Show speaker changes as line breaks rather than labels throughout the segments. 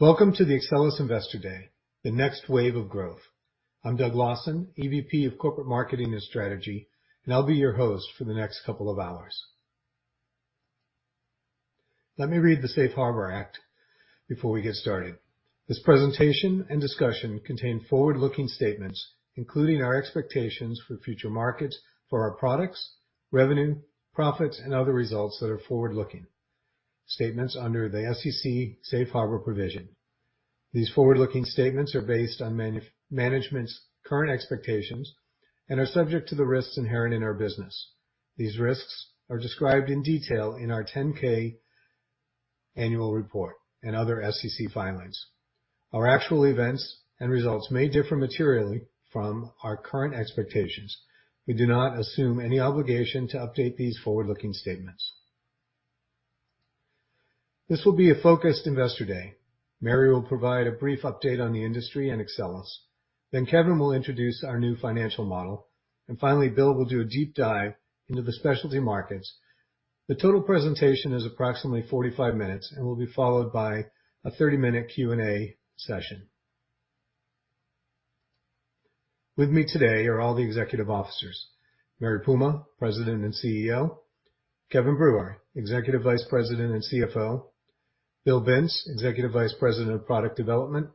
Welcome to the Axcelis Investor Day, The Next Wave of Growth. I'm Doug Lawson, EVP of Corporate Marketing and Strategy, and I'll be your host for the next couple of hours. Let me read the Safe Harbor Act before we get started. This presentation and discussion contain forward-looking statements, including our expectations for future markets, for our products, revenue, profits, and other results that are forward-looking statements under the SEC safe harbor provision. These forward-looking statements are based on management's current expectations and are subject to the risks inherent in our business. These risks are described in detail in our 10-K annual report and other SEC filings. Our actual events and results may differ materially from our current expectations. We do not assume any obligation to update these forward-looking statements. This will be a focused Investor Day. Mary will provide a brief update on the industry and Axcelis. Kevin will introduce our new financial model. Finally, Bill will do a deep dive into the specialty markets. The total presentation is approximately 45 minutes and will be followed by a 30-minute Q&A session. With me today are all the executive officers, Mary Puma, President and CEO, Kevin Brewer, Executive Vice President and CFO, Bill Bintz, Executive Vice President of Product Development,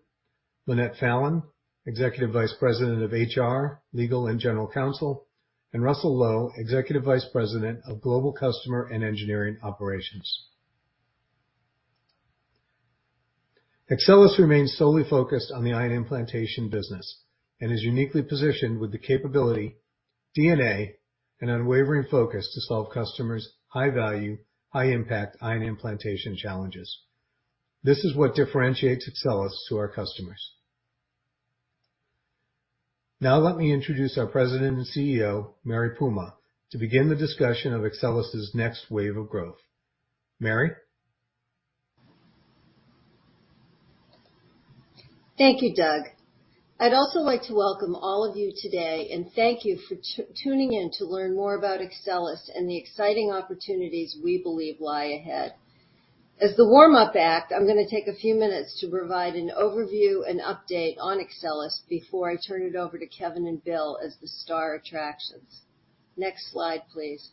Lynnette Fallon, Executive Vice President of HR, Legal, and General Counsel, and Russell Low, Executive Vice President of Global Customer and Engineering Operations. Axcelis remains solely focused on the ion implantation business and is uniquely positioned with the capability, DNA, and unwavering focus to solve customers' high-value, high-impact ion implantation challenges. This is what differentiates Axcelis to our customers. Now let me introduce our President and CEO, Mary Puma, to begin the discussion of Axcelis' next wave of growth. Mary.
Thank you, Doug. I'd also like to welcome all of you today and thank you for tuning in to learn more about Axcelis and the exciting opportunities we believe lie ahead. As the warm-up act, I'm gonna take a few minutes to provide an overview and update on Axcelis before I turn it over to Kevin and Bill as the star attractions. Next slide, please.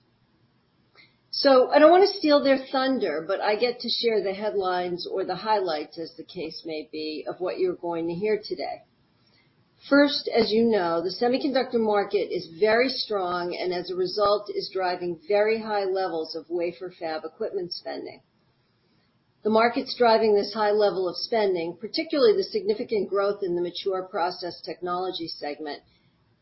So I don't wanna steal their thunder, but I get to share the headlines or the highlights, as the case may be, of what you're going to hear today. First, as you know, the semiconductor market is very strong, and as a result, is driving very high levels of wafer fab equipment spending. The market's driving this high level of spending, particularly the significant growth in the mature process technology segment,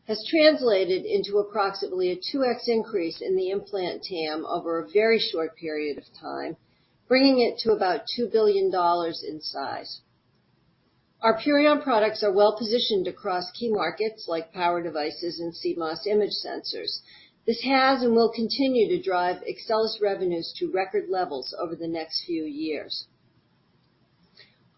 has translated into approximately a 2x increase in the implant TAM over a very short period of time, bringing it to about $2 billion in size. Our Purion products are well-positioned across key markets like power devices and CMOS image sensors. This has and will continue to drive Axcelis revenues to record levels over the next few years.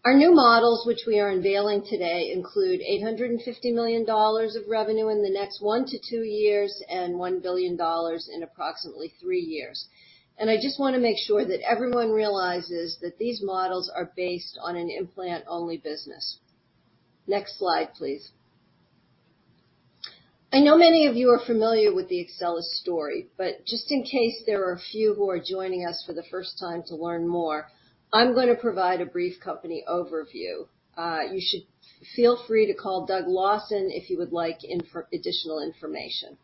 Our new models, which we are unveiling today, include $850 million of revenue in the next one to two years and $1 billion in approximately three years. I just wanna make sure that everyone realizes that these models are based on an implant-only business. Next slide, please. I know many of you are familiar with the Axcelis story, but just in case there are a few who are joining us for the first time to learn more, I'm gonna provide a brief company overview. You should feel free to call Doug Lawson if you would like additional information.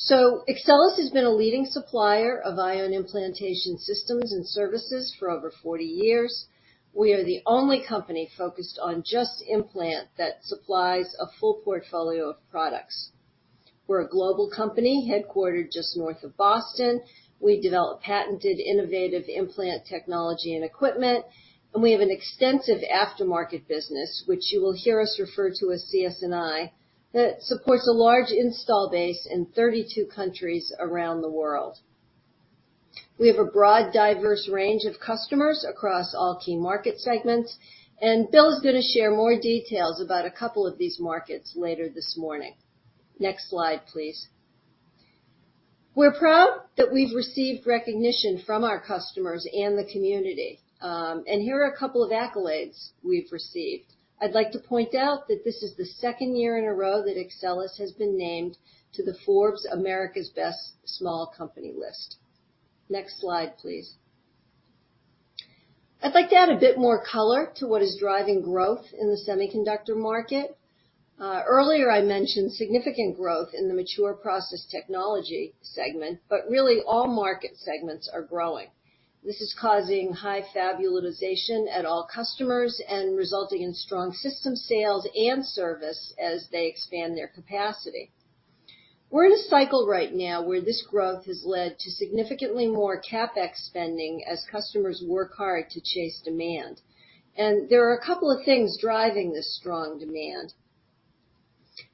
Axcelis has been a leading supplier of ion implantation systems and services for over 40 years. We are the only company focused on just implant that supplies a full portfolio of products. We're a global company headquartered just north of Boston. We develop patented, innovative implant technology and equipment, and we have an extensive aftermarket business, which you will hear us refer to as CS&I, that supports a large install base in 32 countries around the world. We have a broad, diverse range of customers across all key market segments, and Bill is gonna share more details about a couple of these markets later this morning. Next slide, please. We're proud that we've received recognition from our customers and the community, and here are a couple of accolades we've received. I'd like to point out that this is the second year in a row that Axcelis has been named to the Forbes America's Best Small Companies list. Next slide, please. I'd like to add a bit more color to what is driving growth in the semiconductor market. Earlier, I mentioned significant growth in the mature process technology segment, but really all market segments are growing. This is causing high fab utilization at all customers and resulting in strong system sales and service as they expand their capacity. We're in a cycle right now where this growth has led to significantly more CapEx spending as customers work hard to chase demand. There are a couple of things driving this strong demand.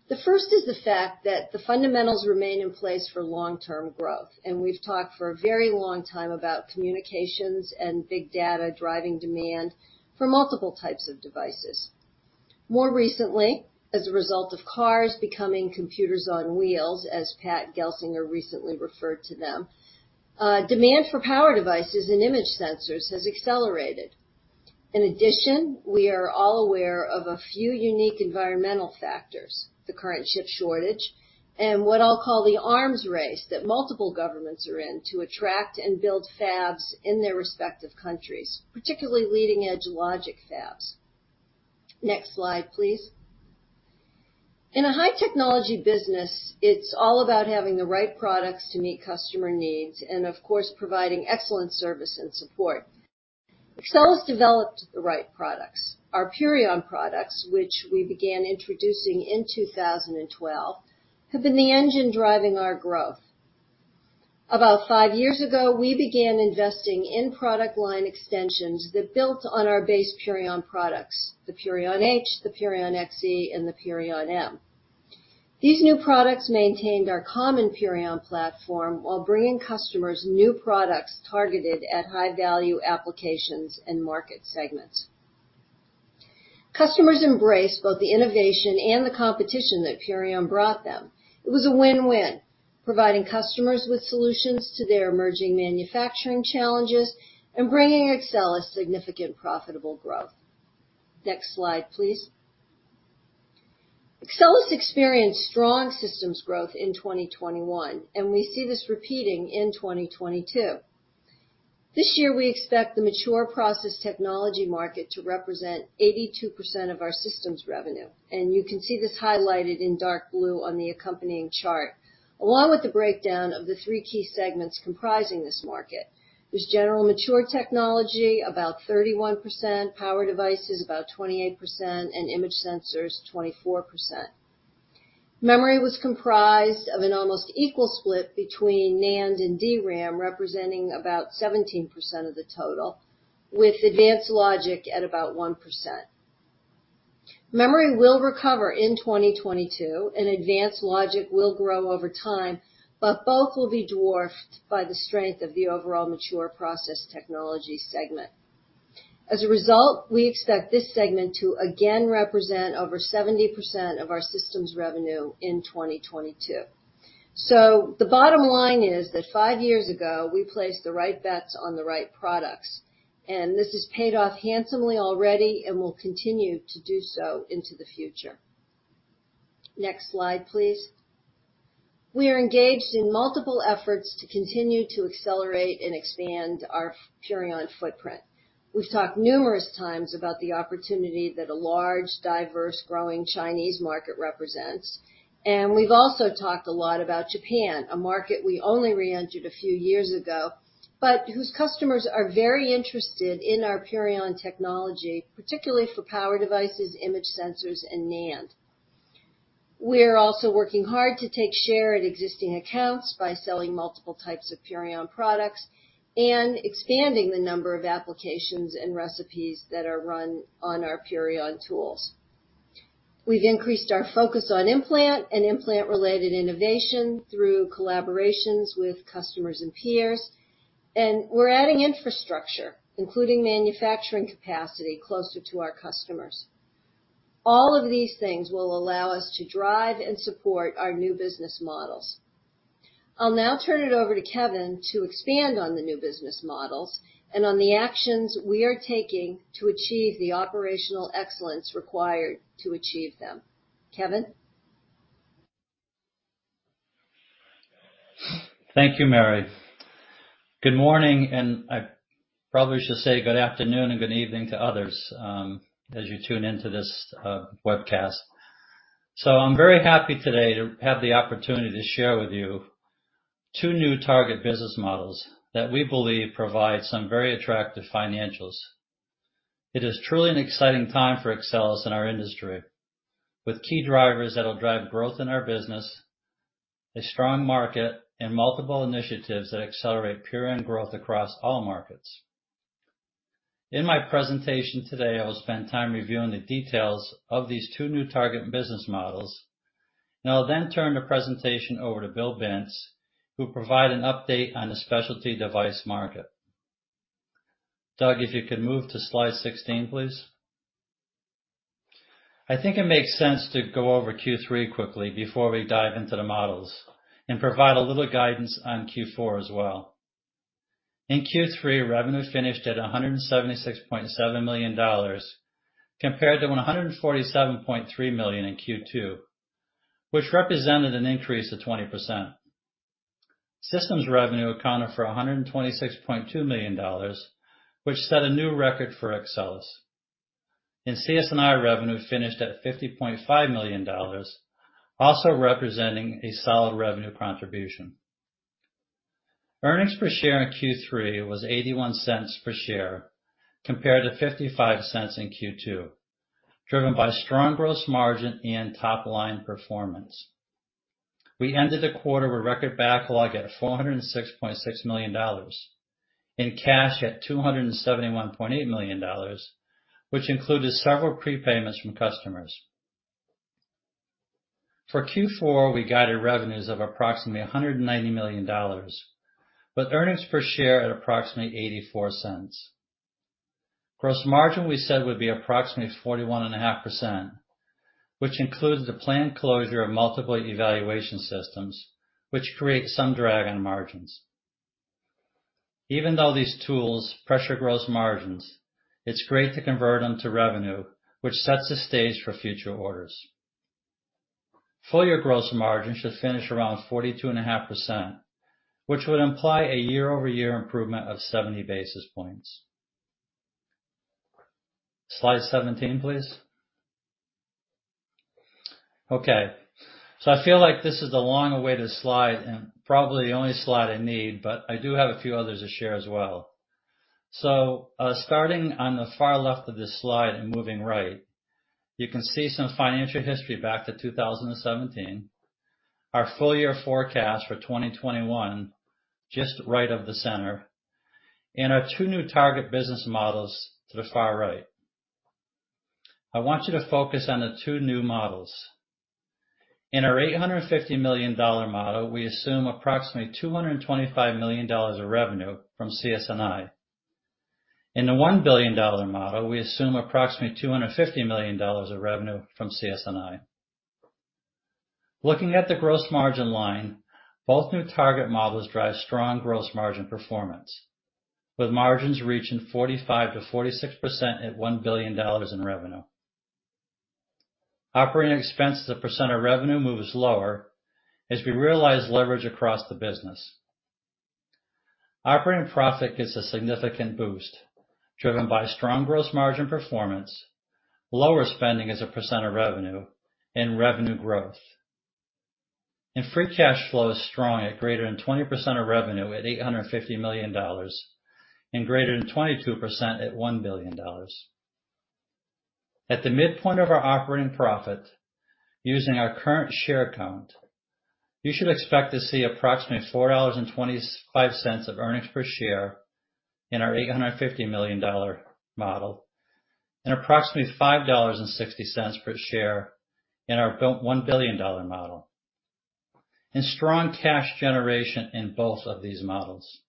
The first is the fact that the fundamentals remain in place for long-term growth, and we've talked for a very long time about communications and big data driving demand for multiple types of devices. More recently, as a result of cars becoming computers on wheels, as Pat Gelsinger recently referred to them, demand for power devices and image sensors has accelerated. In addition, we are all aware of a few unique environmental factors, the current chip shortage, and what I'll call the arms race that multiple governments are in to attract and build fabs in their respective countries, particularly leading-edge logic fabs. Next slide, please. In a high technology business, it's all about having the right products to meet customer needs and, of course, providing excellent service and support. Axcelis developed the right products. Our Purion products, which we began introducing in 2012, have been the engine driving our growth. About five years ago, we began investing in product line extensions that built on our base Purion products, the Purion H, the Purion XE, and the Purion M. These new products maintained our common Purion platform while bringing customers new products targeted at high-value applications and market segments. Customers embraced both the innovation and the competition that Purion brought them. It was a win-win, providing customers with solutions to their emerging manufacturing challenges and bringing Axcelis significant profitable growth. Next slide, please. Axcelis experienced strong systems growth in 2021, and we see this repeating in 2022. This year, we expect the mature process technology market to represent 82% of our systems revenue, and you can see this highlighted in dark blue on the accompanying chart, along with the breakdown of the three key segments comprising this market. There's general mature technology, about 31%, power devices about 28%, and image sensors 24%. Memory was comprised of an almost equal split between NAND and DRAM, representing about 17% of the total, with advanced logic at about 1%. Memory will recover in 2022, and advanced logic will grow over time, but both will be dwarfed by the strength of the overall mature process technology segment. As a result, we expect this segment to again represent over 70% of our systems revenue in 2022. The bottom line is that five years ago, we placed the right bets on the right products, and this has paid off handsomely already and will continue to do so into the future. Next slide, please. We are engaged in multiple efforts to continue to accelerate and expand our Purion footprint. We've talked numerous times about the opportunity that a large, diverse, growing Chinese market represents, and we've also talked a lot about Japan, a market we only reentered a few years ago, but whose customers are very interested in our Purion technology, particularly for power devices, image sensors, and NAND. We're also working hard to take share at existing accounts by selling multiple types of Purion products and expanding the number of applications and recipes that are run on our Purion tools. We've increased our focus on implant and implant-related innovation through collaborations with customers and peers, and we're adding infrastructure, including manufacturing capacity, closer to our customers. All of these things will allow us to drive and support our new business models. I'll now turn it over to Kevin to expand on the new business models and on the actions we are taking to achieve the operational excellence required to achieve them. Kevin?
Thank you, Mary. Good morning, and I probably should say good afternoon and good evening to others, as you tune in to this webcast. I'm very happy today to have the opportunity to share with you two new target business models that we believe provide some very attractive financials. It is truly an exciting time for Axcelis and our industry, with key drivers that'll drive growth in our business, a strong market, and multiple initiatives that accelerate Purion growth across all markets. In my presentation today, I will spend time reviewing the details of these two new target business models, and I'll then turn the presentation over to Bill Bintz, who'll provide an update on the specialty device market. Doug, if you could move to slide 16, please. I think it makes sense to go over Q3 quickly before we dive into the models and provide a little guidance on Q4 as well. In Q3, revenue finished at $176.7 million, compared to $147.3 million in Q2, which represented an increase of 20%. Systems revenue accounted for $126.2 million, which set a new record for Axcelis. CS&I revenue finished at $50.5 million, also representing a solid revenue contribution. Earnings per share in Q3 was $0.81 per share, compared to $0.55 in Q2, driven by strong gross margin and top-line performance. We ended the quarter with record backlog at $406.6 million, and cash at $271.8 million, which included several prepayments from customers. For Q4, we guided revenues of approximately $190 million, but earnings per share at approximately $0.84. Gross margin we said would be approximately 41.5%, which includes the planned closure of multiple evaluation systems, which creates some drag on margins. Even though these tools pressure gross margins, it's great to convert them to revenue, which sets the stage for future orders. Full year gross margin should finish around 42.5%, which would imply a year-over-year improvement of 70 basis points. Slide 17, please. Okay, I feel like this is the long-awaited slide and probably the only slide I need, but I do have a few others to share as well. Starting on the far left of this slide and moving right, you can see some financial history back to 2017. Our full year forecast for 2021 just right of the center, and our two new target business models to the far right. I want you to focus on the two new models. In our $850 million model, we assume approximately $225 million of revenue from CS&I. In the $1 billion model, we assume approximately $250 million of revenue from CS&I. Looking at the gross margin line, both new target models drive strong gross margin performance, with margins reaching 45%-46% at $1 billion in revenue. Operating expense as a percent of revenue moves lower as we realize leverage across the business. Operating profit gets a significant boost driven by strong gross margin performance, lower spending as a percent of revenue and revenue growth. Free cash flow is strong at greater than 20% of revenue at $850 million and greater than 22% at $1 billion. At the midpoint of our operating profit, using our current share count, you should expect to see approximately $4.25 of earnings per share in our $850 million model and approximately $5.60 per share in our one billion dollar model. Strong cash generation in both of these models.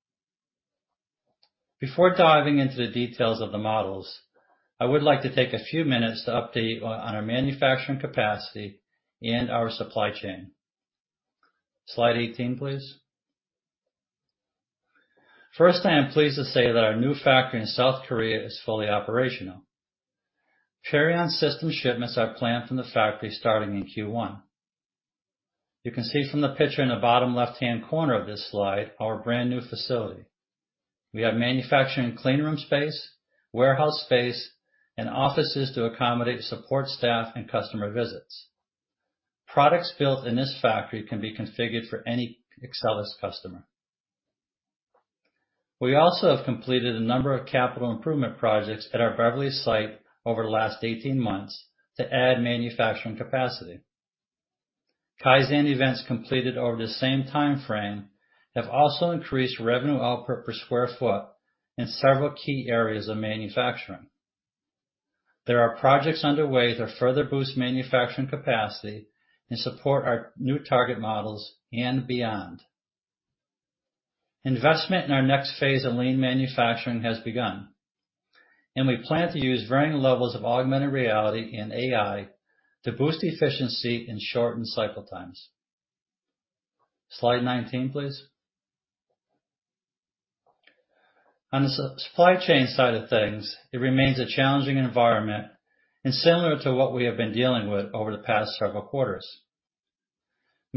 Before diving into the details of the models, I would like to take a few minutes to update on our manufacturing capacity and our supply chain. Slide 18, please. First, I am pleased to say that our new factory in South Korea is fully operational. Purion system shipments are planned from the factory starting in Q1. You can see from the picture in the bottom left-hand corner of this slide, our brand new facility. We have manufacturing clean room space, warehouse space, and offices to accommodate support staff and customer visits. Products built in this factory can be configured for any Axcelis customer. We also have completed a number of capital improvement projects at our Beverly site over the last 18 months to add manufacturing capacity. Kaizen events completed over the same timeframe have also increased revenue output per square foot in several key areas of manufacturing. There are projects underway that further boost manufacturing capacity and support our new target models and beyond. Investment in our next phase of lean manufacturing has begun, and we plan to use varying levels of augmented reality and AI to boost efficiency and shorten cycle times. Slide 19, please. On the supply chain side of things, it remains a challenging environment and similar to what we have been dealing with over the past several quarters.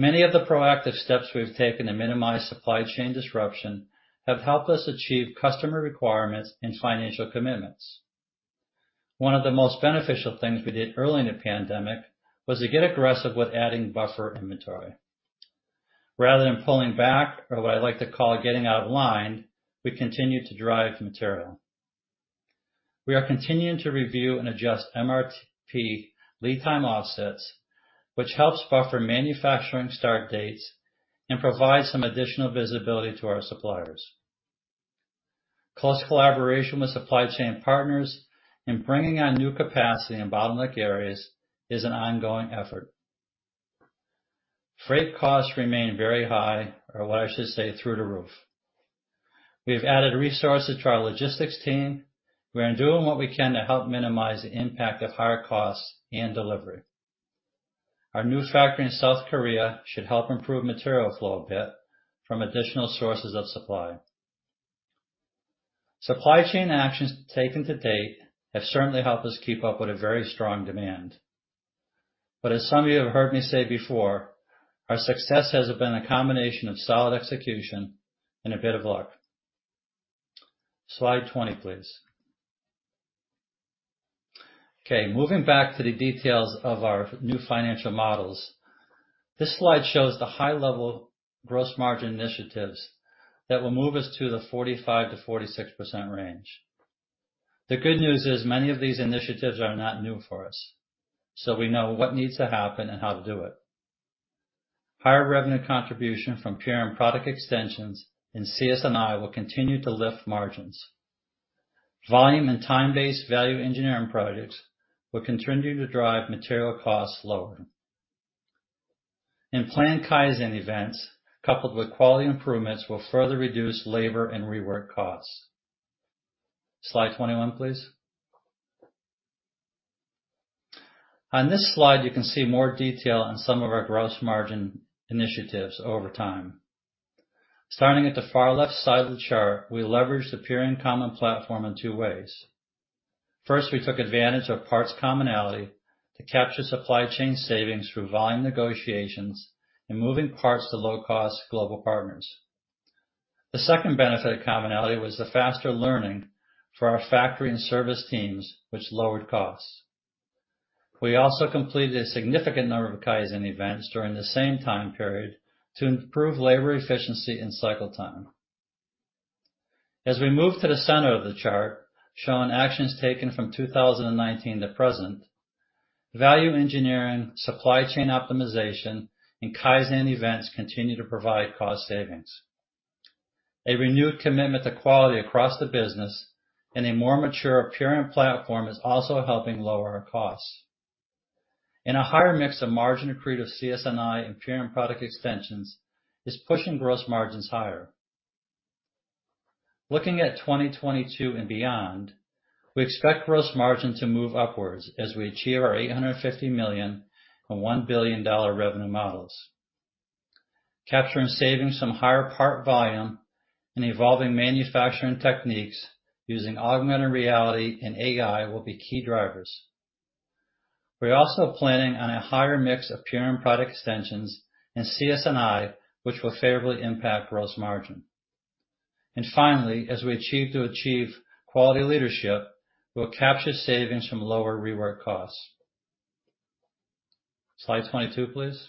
Many of the proactive steps we've taken to minimize supply chain disruption have helped us achieve customer requirements and financial commitments. One of the most beneficial things we did early in the pandemic was to get aggressive with adding buffer inventory. Rather than pulling back or what I like to call getting out of line, we continued to drive material. We are continuing to review and adjust MRP lead time offsets, which helps buffer manufacturing start dates and provides some additional visibility to our suppliers. Close collaboration with supply chain partners in bringing on new capacity in bottleneck areas is an ongoing effort. Freight costs remain very high or what I should say, through the roof. We have added resources to our logistics team. We are doing what we can to help minimize the impact of higher costs and delivery. Our new factory in South Korea should help improve material flow a bit from additional sources of supply. Supply chain actions taken to date have certainly helped us keep up with a very strong demand. As some of you have heard me say before, our success has been a combination of solid execution and a bit of luck. Slide 20, please. Okay, moving back to the details of our new financial models. This slide shows the high-level gross margin initiatives that will move us to the 45%-46% range. The good news is many of these initiatives are not new for us, so we know what needs to happen and how to do it. Higher revenue contribution from Purion and product extensions and CS&I will continue to lift margins. Volume and time-based value engineering projects will continue to drive material costs lower. Planned Kaizen events, coupled with quality improvements, will further reduce labor and rework costs. Slide 21, please. On this slide, you can see more detail on some of our gross margin initiatives over time. Starting at the far left side of the chart, we leveraged the Purion common platform in two ways. First, we took advantage of parts commonality to capture supply chain savings through volume negotiations and moving parts to low-cost global partners. The second benefit of commonality was the faster learning for our factory and service teams, which lowered costs. We also completed a significant number of Kaizen events during the same time period to improve labor efficiency and cycle time. As we move to the center of the chart, showing actions taken from 2019 to present, value engineering, supply chain optimization, and Kaizen events continue to provide cost savings. A renewed commitment to quality across the business and a more mature Purion platform is also helping lower our costs. In a higher mix of margin accretive CS&I and Purion product extensions is pushing gross margins higher. Looking at 2022 and beyond, we expect gross margin to move upwards as we achieve our $850 million-$1 billion revenue models. Capturing savings from higher part volume and evolving manufacturing techniques using augmented reality and AI will be key drivers. We're also planning on a higher mix of Purion product extensions and CS&I, which will favorably impact gross margin. Finally, as we achieve quality leadership, we'll capture savings from lower rework costs. Slide 22, please.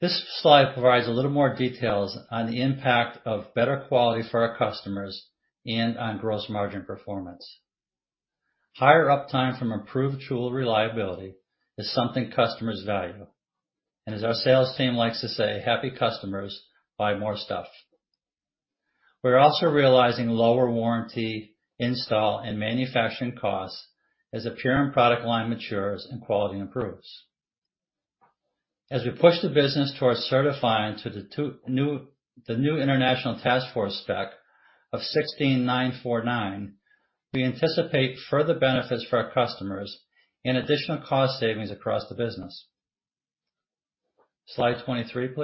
This slide provides a little more details on the impact of better quality for our customers and on gross margin performance. Higher uptime from improved tool reliability is something customers value. As our sales team likes to say, "Happy customers buy more stuff." We're also realizing lower warranty, install, and manufacturing costs as the Purion product line matures and quality improves. As we push the business towards certifying to the new International Task Force 16949, we anticipate further benefits for our customers and additional cost savings across the business. Slide 23,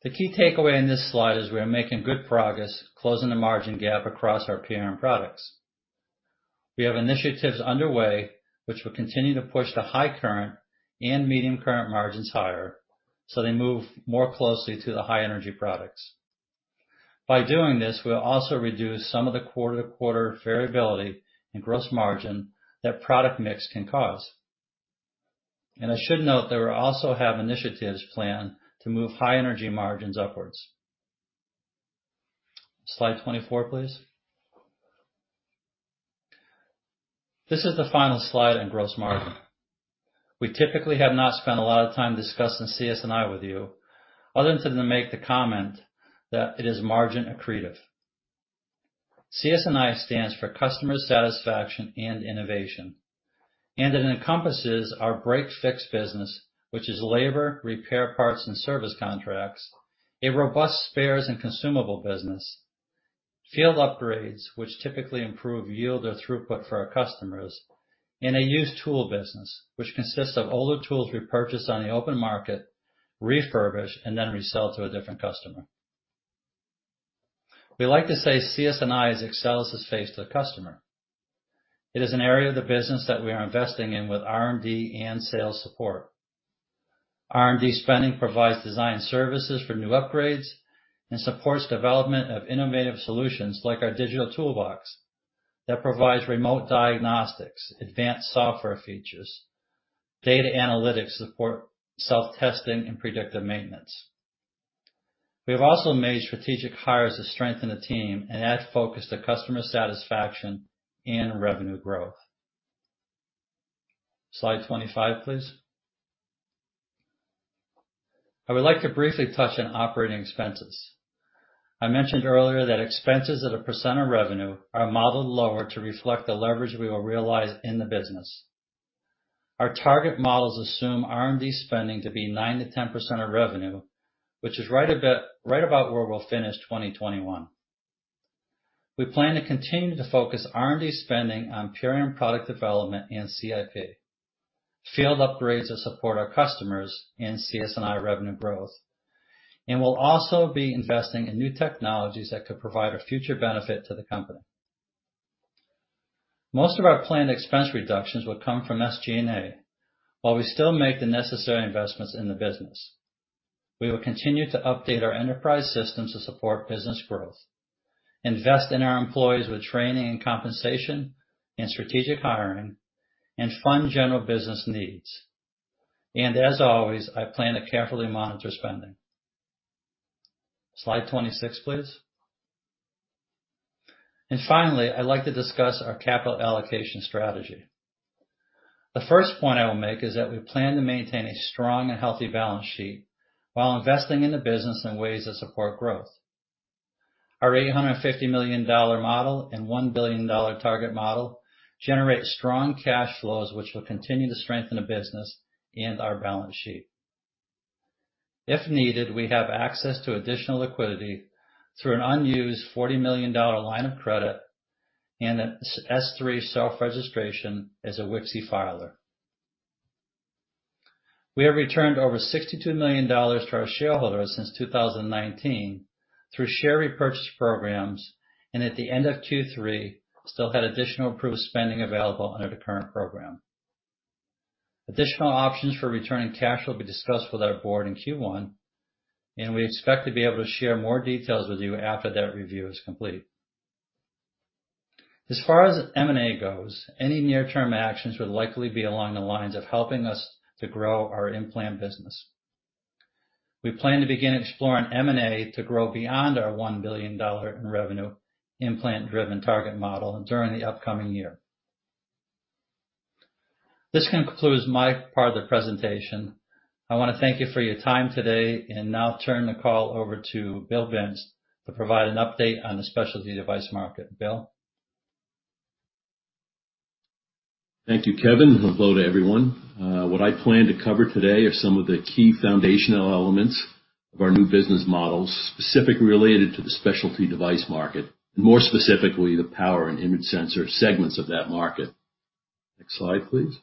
please. The key takeaway in this slide is we are making good progress closing the margin gap across our Purion products. We have initiatives underway which will continue to push the high current and medium current margins higher, so they move more closely to the high energy products. By doing this, we'll also reduce some of the quarter-to-quarter variability in gross margin that product mix can cause. I should note that we also have initiatives planned to move high energy margins upwards. Slide 24, please. This is the final slide on gross margin. We typically have not spent a lot of time discussing CS&I with you, other than to make the comment that it is margin accretive. CS&I stands for Customer Solutions and Innovation, and it encompasses our break/fix business, which is labor, repair parts, and service contracts, a robust spares and consumable business, field upgrades, which typically improve yield or throughput for our customers, and a used tool business, which consists of older tools we purchase on the open market, refurbish, and then resell to a different customer. We like to say CS&I is Axcelis' face to the customer. It is an area of the business that we are investing in with R&D and sales support. R&D spending provides design services for new upgrades and supports development of innovative solutions like our Digital Tool Box that provides remote diagnostics, advanced software features, data analytics support, self-testing, and predictive maintenance. We have also made strategic hires to strengthen the team and add focus to customer satisfaction and revenue growth. Slide 25, please. I would like to briefly touch on operating expenses. I mentioned earlier that expenses as a % of revenue are modeled lower to reflect the leverage we will realize in the business. Our target models assume R&D spending to be 9%-10% of revenue, which is right about where we'll finish 2021. We plan to continue to focus R&D spending on Purion product development and CIP, field upgrades to support our customers, and CS&I revenue growth, and we'll also be investing in new technologies that could provide a future benefit to the company. Most of our planned expense reductions will come from SG&A, while we still make the necessary investments in the business. We will continue to update our enterprise systems to support business growth, invest in our employees with training and compensation and strategic hiring, and fund general business needs. As always, I plan to carefully monitor spending. Slide 26, please. Finally, I'd like to discuss our capital allocation strategy. The first point I will make is that we plan to maintain a strong and healthy balance sheet while investing in the business in ways that support growth. Our $850 million model and $1 billion target model generate strong cash flows, which will continue to strengthen the business and our balance sheet. If needed, we have access to additional liquidity through an unused $40 million line of credit and an S-3 shelf registration as a WKSI filer. We have returned over $62 million to our shareholders since 2019 through share repurchase programs, and at the end of Q3 still had additional approved spending available under the current program. Additional options for returning cash will be discussed with our Board in Q1, and we expect to be able to share more details with you after that review is complete. As far as M&A goes, any near-term actions would likely be along the lines of helping us to grow our implant business. We plan to begin exploring M&A to grow beyond our $1 billion in revenue implant-driven target model during the upcoming year. This concludes my part of the presentation. I want to thank you for your time today, and now turn the call over to Bill Bintz to provide an update on the specialty device market. Bill?
Thank you, Kevin, and hello to everyone. What I plan to cover today are some of the key foundational elements of our new business models, specifically related to the specialty device market, and more specifically, the power and image sensor segments of that market. Next slide, please.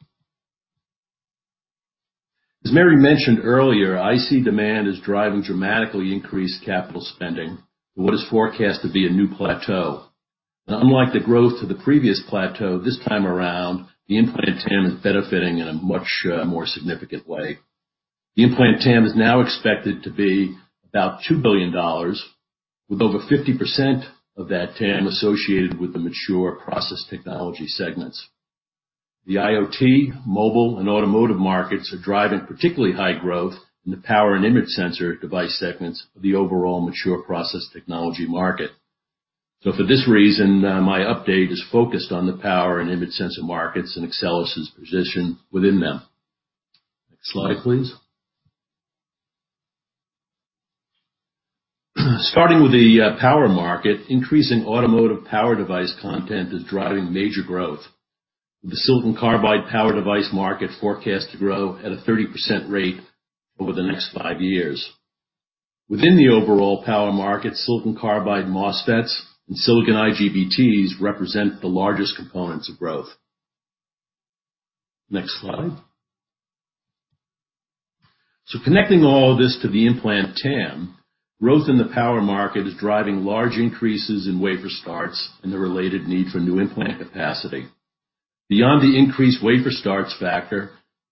As Mary mentioned earlier, IC demand is driving dramatically increased capital spending to what is forecast to be a new plateau. Unlike the growth of the previous plateau, this time around, the implant TAM is benefiting in a much more significant way. The implant TAM is now expected to be about $2 billion, with over 50% of that TAM associated with the mature process technology segments. The IoT, mobile, and automotive markets are driving particularly high growth in the power and image sensor device segments of the overall mature process technology market. For this reason, my update is focused on the power and image sensor markets and Axcelis' position within them. Next slide, please. Starting with the power market, increasing automotive power device content is driving major growth, with the silicon carbide power device market forecast to grow at a 30% rate over the next five years. Within the overall power market, silicon carbide MOSFETs and silicon IGBTs represent the largest components of growth. Next slide. Connecting all this to the implant TAM, growth in the power market is driving large increases in wafer starts and the related need for new implant capacity. Beyond the increased wafer starts factor,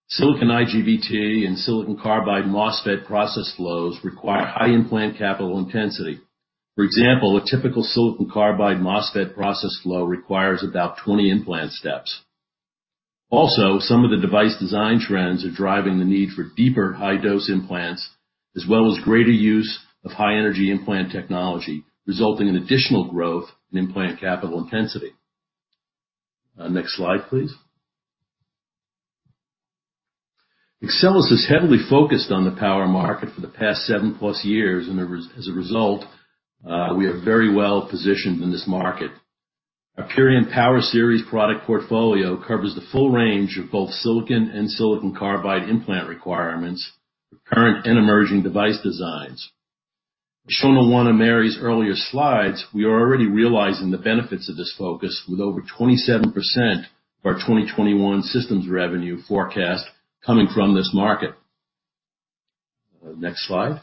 silicon IGBT and silicon carbide MOSFET process flows require high implant capital intensity. For example, a typical silicon carbide MOSFET process flow requires about 20 implant steps. Also, some of the device design trends are driving the need for deeper high-dose implants, as well as greater use of high-energy implant technology, resulting in additional growth in implant capital intensity. Next slide, please. Axcelis has heavily focused on the power market for the past seven-plus years. As a result, we are very well positioned in this market. Our Purion Power Series product portfolio covers the full range of both silicon and silicon carbide implant requirements for current and emerging device designs. As shown on one of Mary's earlier slides, we are already realizing the benefits of this focus with over 27% of our 2021 systems revenue forecast coming from this market. Next slide.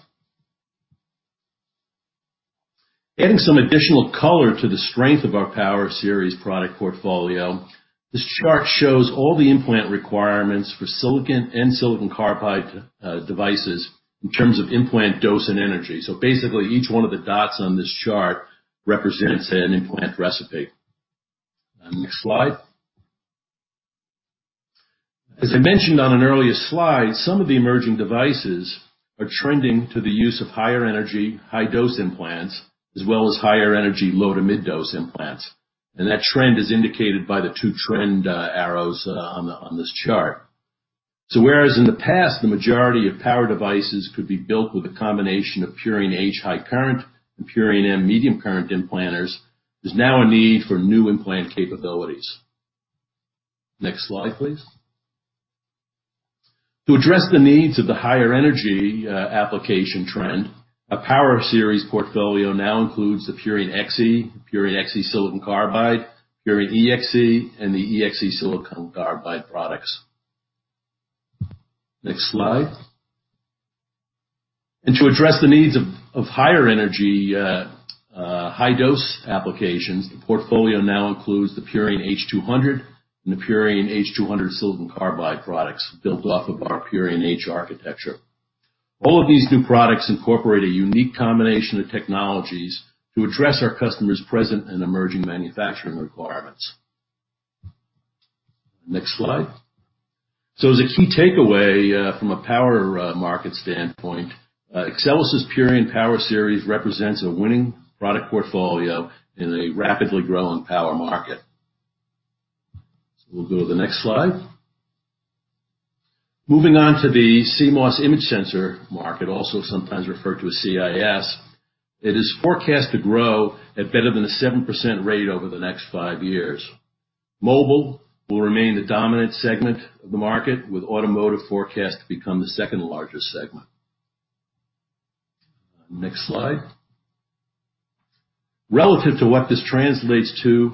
Adding some additional color to the strength of our Power Series product portfolio, this chart shows all the implant requirements for silicon and silicon carbide devices in terms of implant dose and energy. Basically, each one of the dots on this chart represents an implant recipe. Next slide. As I mentioned on an earlier slide, some of the emerging devices are trending to the use of higher energy, high dose implants, as well as higher energy, low to mid dose implants. That trend is indicated by the two trend arrows on this chart. Whereas in the past, the majority of power devices could be built with a combination of Purion H high current and Purion M medium current implanters, there's now a need for new implant capabilities. Next slide, please. To address the needs of the higher energy application trend, our Power Series portfolio now includes the Purion XE, Purion XE Silicon Carbide, Purion EXE, and the EXE Silicon Carbide products. Next slide. To address the needs of higher energy high dose applications, the portfolio now includes the Purion H 200 and the Purion H 200 Silicon Carbide products built off of our Purion H architecture. All of these new products incorporate a unique combination of technologies to address our customers' present and emerging manufacturing requirements. Next slide. As a key takeaway from a power market standpoint, Axcelis' Purion Power Series represents a winning product portfolio in a rapidly growing power market. We'll go to the next slide. Moving on to the CMOS image sensor market, also sometimes referred to as CIS. It is forecast to grow at better than a 7% rate over the next five years. Mobile will remain the dominant segment of the market, with automotive forecast to become the second largest segment. Next slide. Relative to what this translates to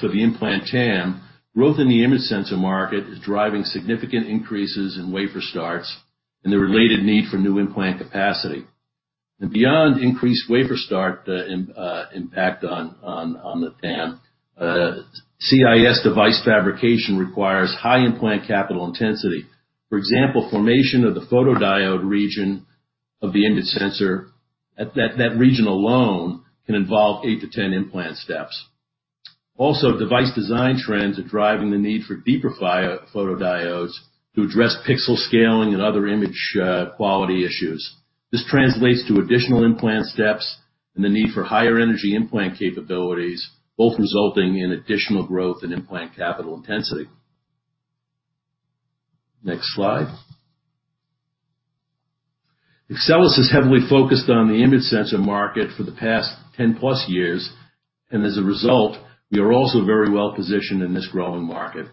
for the implant TAM, growth in the image sensor market is driving significant increases in wafer starts and the related need for new implant capacity. Beyond increased wafer start, the impact on the TAM, CIS device fabrication requires high implant capital intensity. For example, formation of the photodiode region of the image sensor at that region alone can involve eight to 10 implant steps. Also, device design trends are driving the need for deeper photodiodes to address pixel scaling and other image quality issues. This translates to additional implant steps and the need for higher energy implant capabilities, both resulting in additional growth in implant capital intensity. Next slide. Axcelis has heavily focused on the image sensor market for the past 10+ years, and as a result, we are also very well positioned in this growing market.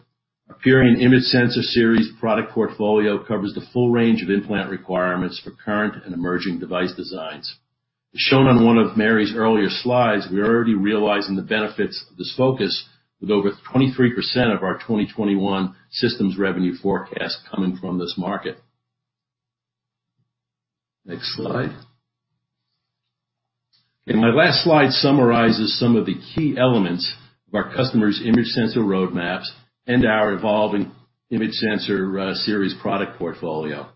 Our Purion image sensor series product portfolio covers the full range of implant requirements for current and emerging device designs. As shown on one of Mary's earlier slides, we are already realizing the benefits of this focus with over 23% of our 2021 systems revenue forecast coming from this market. Next slide. My last slide summarizes some of the key elements of our customers' image sensor roadmaps and our evolving image sensor series product portfolio.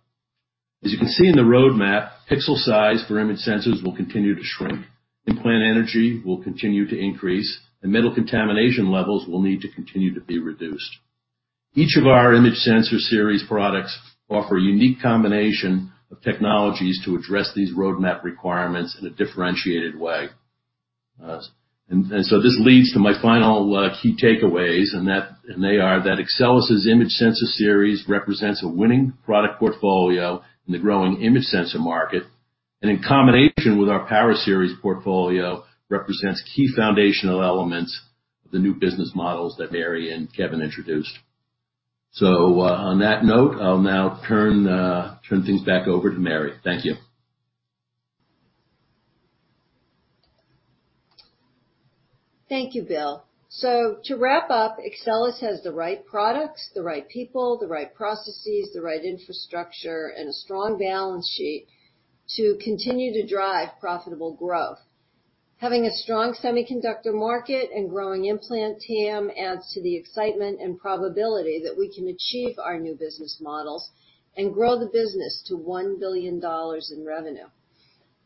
As you can see in the roadmap, pixel size for image sensors will continue to shrink. Implant energy will continue to increase, and metal contamination levels will need to continue to be reduced. Each of our image sensor series products offer a unique combination of technologies to address these roadmap requirements in a differentiated way. This leads to my final key takeaways, and they are that Axcelis' image sensor series represents a winning product portfolio in the growing image sensor market. In combination with our power series portfolio, represents key foundational elements of the new business models that Mary and Kevin introduced. On that note, I'll now turn things back over to Mary. Thank you.
Thank you, Bill. To wrap up, Axcelis has the right products, the right people, the right processes, the right infrastructure, and a strong balance sheet to continue to drive profitable growth. Having a strong semiconductor market and growing implant TAM adds to the excitement and probability that we can achieve our new business models and grow the business to $1 billion in revenue.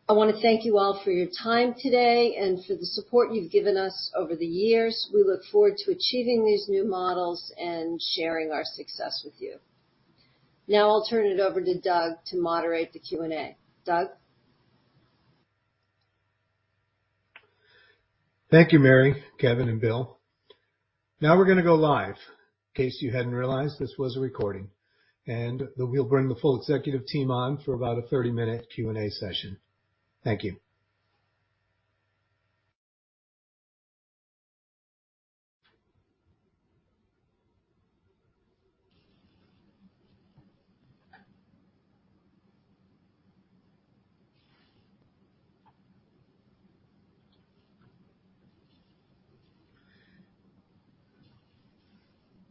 I wanna thank you all for your time today and for the support you've given us over the years. We look forward to achieving these new models and sharing our success with you. Now, I'll turn it over to Doug to moderate the Q&A. Doug?
Thank you, Mary, Kevin, and Bill. Now we're gonna go live. In case you hadn't realized, this was a recording, and we'll bring the full executive team on for about a 30-minute Q&A session. Thank you.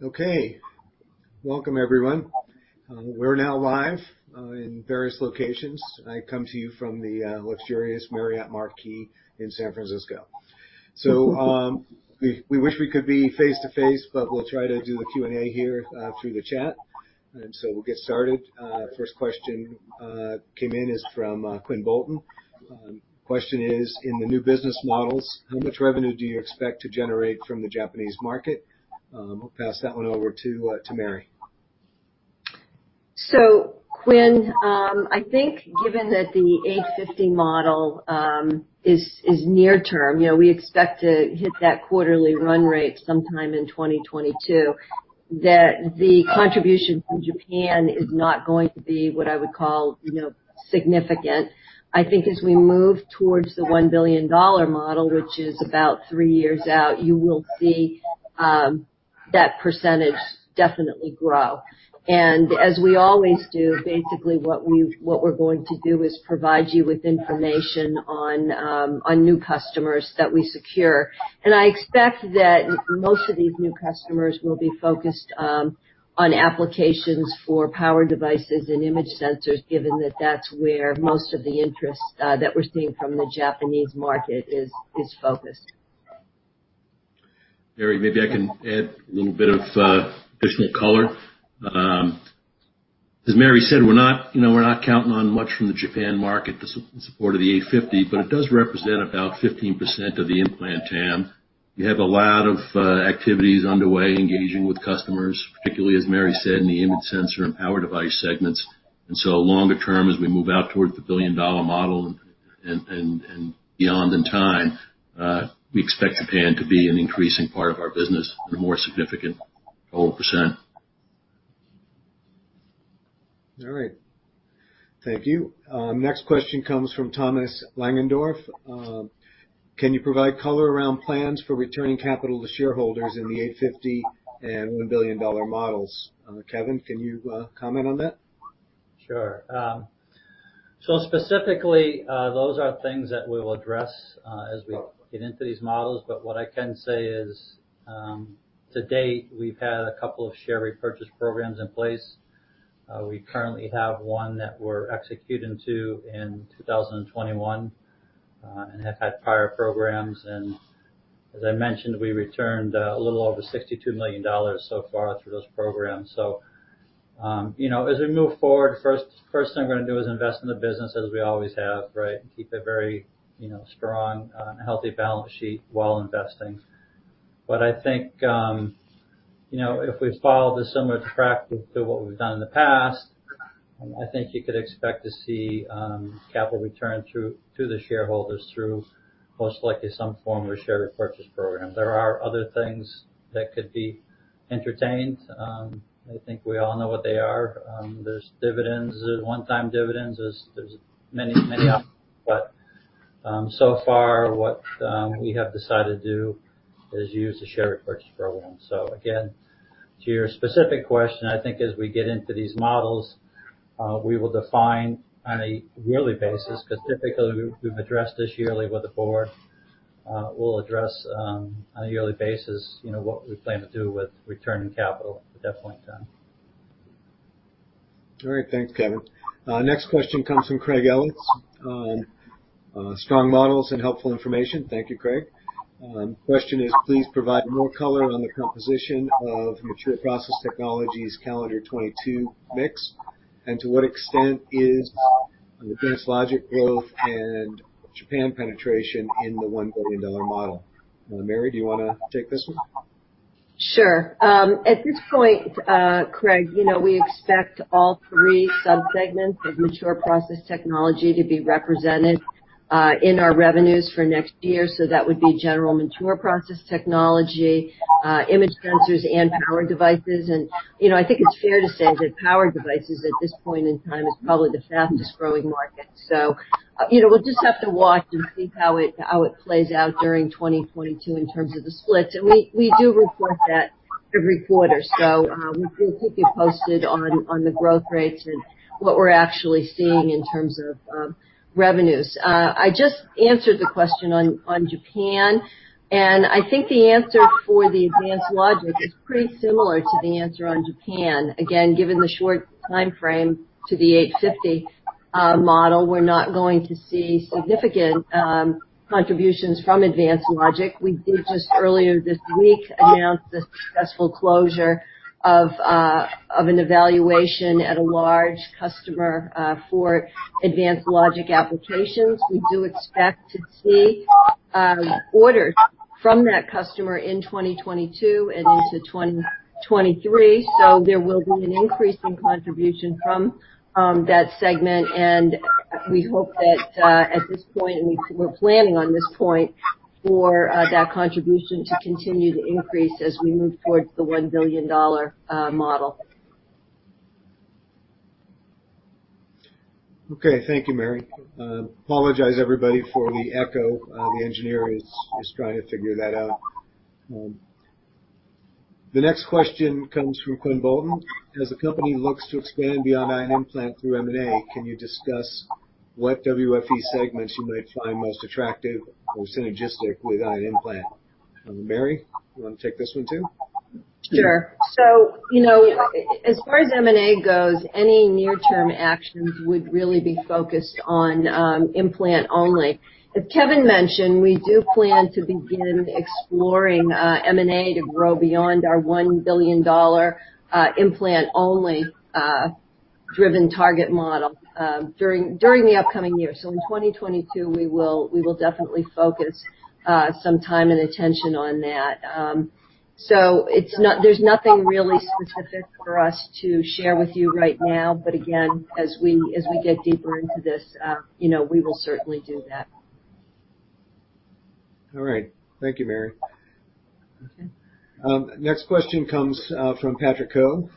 Okay. Welcome, everyone. We're now live in various locations. I come to you from the luxurious Marriott Marquis in San Francisco. We wish we could be face to face, but we'll try to do the Q&A here through the chat. We'll get started. First question came in is from Quinn Bolton. Question is, in the new business models, how much revenue do you expect to generate from the Japanese market? I'll pass that one over to Mary.
Quinn, I think given that the $850 model is near term, you know, we expect to hit that quarterly run rate sometime in 2022, that the contribution from Japan is not going to be what I would call, you know, significant. I think as we move towards the $1 billion model, which is about three years out, you will see that percentage definitely grow. As we always do, basically what we're going to do is provide you with information on new customers that we secure. I expect that most of these new customers will be focused on applications for power devices and image sensors, given that that's where most of the interest that we're seeing from the Japanese market is focused.
Mary, maybe I can add a little bit of additional color. As Mary said, we're not counting on much from the Japan market to support the $850, but it does represent about 15% of the implant TAM. We have a lot of activities underway, engaging with customers, particularly, as Mary said, in the image sensor and power device segments. Longer term, as we move out towards the billion-dollar model and beyond in time, we expect Japan to be an increasing part of our business for a more significant whole percent.
All right. Thank you. Next question comes from Thomas Langendorf. Can you provide color around plans for returning capital to shareholders in the $850 million and $1 billion models? Kevin, can you comment on that?
Sure. Specifically, those are things that we will address as we get into these models. What I can say is, to date, we've had a couple of share repurchase programs in place. We currently have one that we're executing through 2021, and have had prior programs. As I mentioned, we returned a little over $62 million so far through those programs. You know, as we move forward, first thing we're gonna do is invest in the business as we always have, right? Keep a very, you know, strong, healthy balance sheet while investing. I think, you know, if we follow the similar track to what we've done in the past, I think you could expect to see capital return to the shareholders through most likely some form of share repurchase program. There are other things that could be entertained. I think we all know what they are. There's dividends, one-time dividends. There are many options. So far, what we have decided to do is use the share repurchase program. Again, to your specific question, I think as we get into these models, we will define on a yearly basis, because typically we've addressed this yearly with the Board. We'll address on a yearly basis, you know, what we plan to do with returning capital at that point in time.
All right. Thanks, Kevin. Next question comes from Craig Ellis. Strong models and helpful information. Thank you, Craig. Question is, please provide more color on the composition of mature process technologies calendar 2022 mix, and to what extent is advanced logic growth and Japan penetration in the $1 billion model. Mary, do you wanna take this one?
Sure. At this point, Craig, you know, we expect all three subsegments of mature process technology to be represented in our revenues for next year. That would be general mature process technology, image sensors, and power devices. You know, I think it's fair to say that power devices at this point in time is probably the fastest-growing market. You know, we'll just have to watch and see how it plays out during 2022 in terms of the split. We do report that every quarter, so we'll keep you posted on the growth rates and what we're actually seeing in terms of revenues. I just answered the question on Japan, and I think the answer for the advanced logic is pretty similar to the answer on Japan. Again, given the short time frame to the 850 model, we're not going to see significant contributions from advanced logic. We did just earlier this week announce the successful closure of an evaluation at a large customer for advanced logic applications. We do expect to see orders from that customer in 2022 and into 2023. There will be an increase in contribution from that segment, and we hope that at this point, and we're planning on this point, for that contribution to continue to increase as we move towards the $1 billion model.
Okay. Thank you, Mary. I apologize to everybody for the echo. The engineer is trying to figure that out. The next question comes from Quinn Bolton. As the company looks to expand beyond ion implant through M&A, can you discuss what WFE segments you might find most attractive or synergistic with ion implant? Mary, you wanna take this one too?
Sure. You know, as far as M&A goes, any near-term actions would really be focused on implant only. As Kevin mentioned, we do plan to begin exploring M&A to grow beyond our $1 billion implant-only driven target model during the upcoming year. In 2022, we will definitely focus some time and attention on that. It's not. There's nothing really specific for us to share with you right now, but again, as we get deeper into this, you know, we will certainly do that.
All right. Thank you, Mary.
Okay.
Next question comes from Patrick Ho.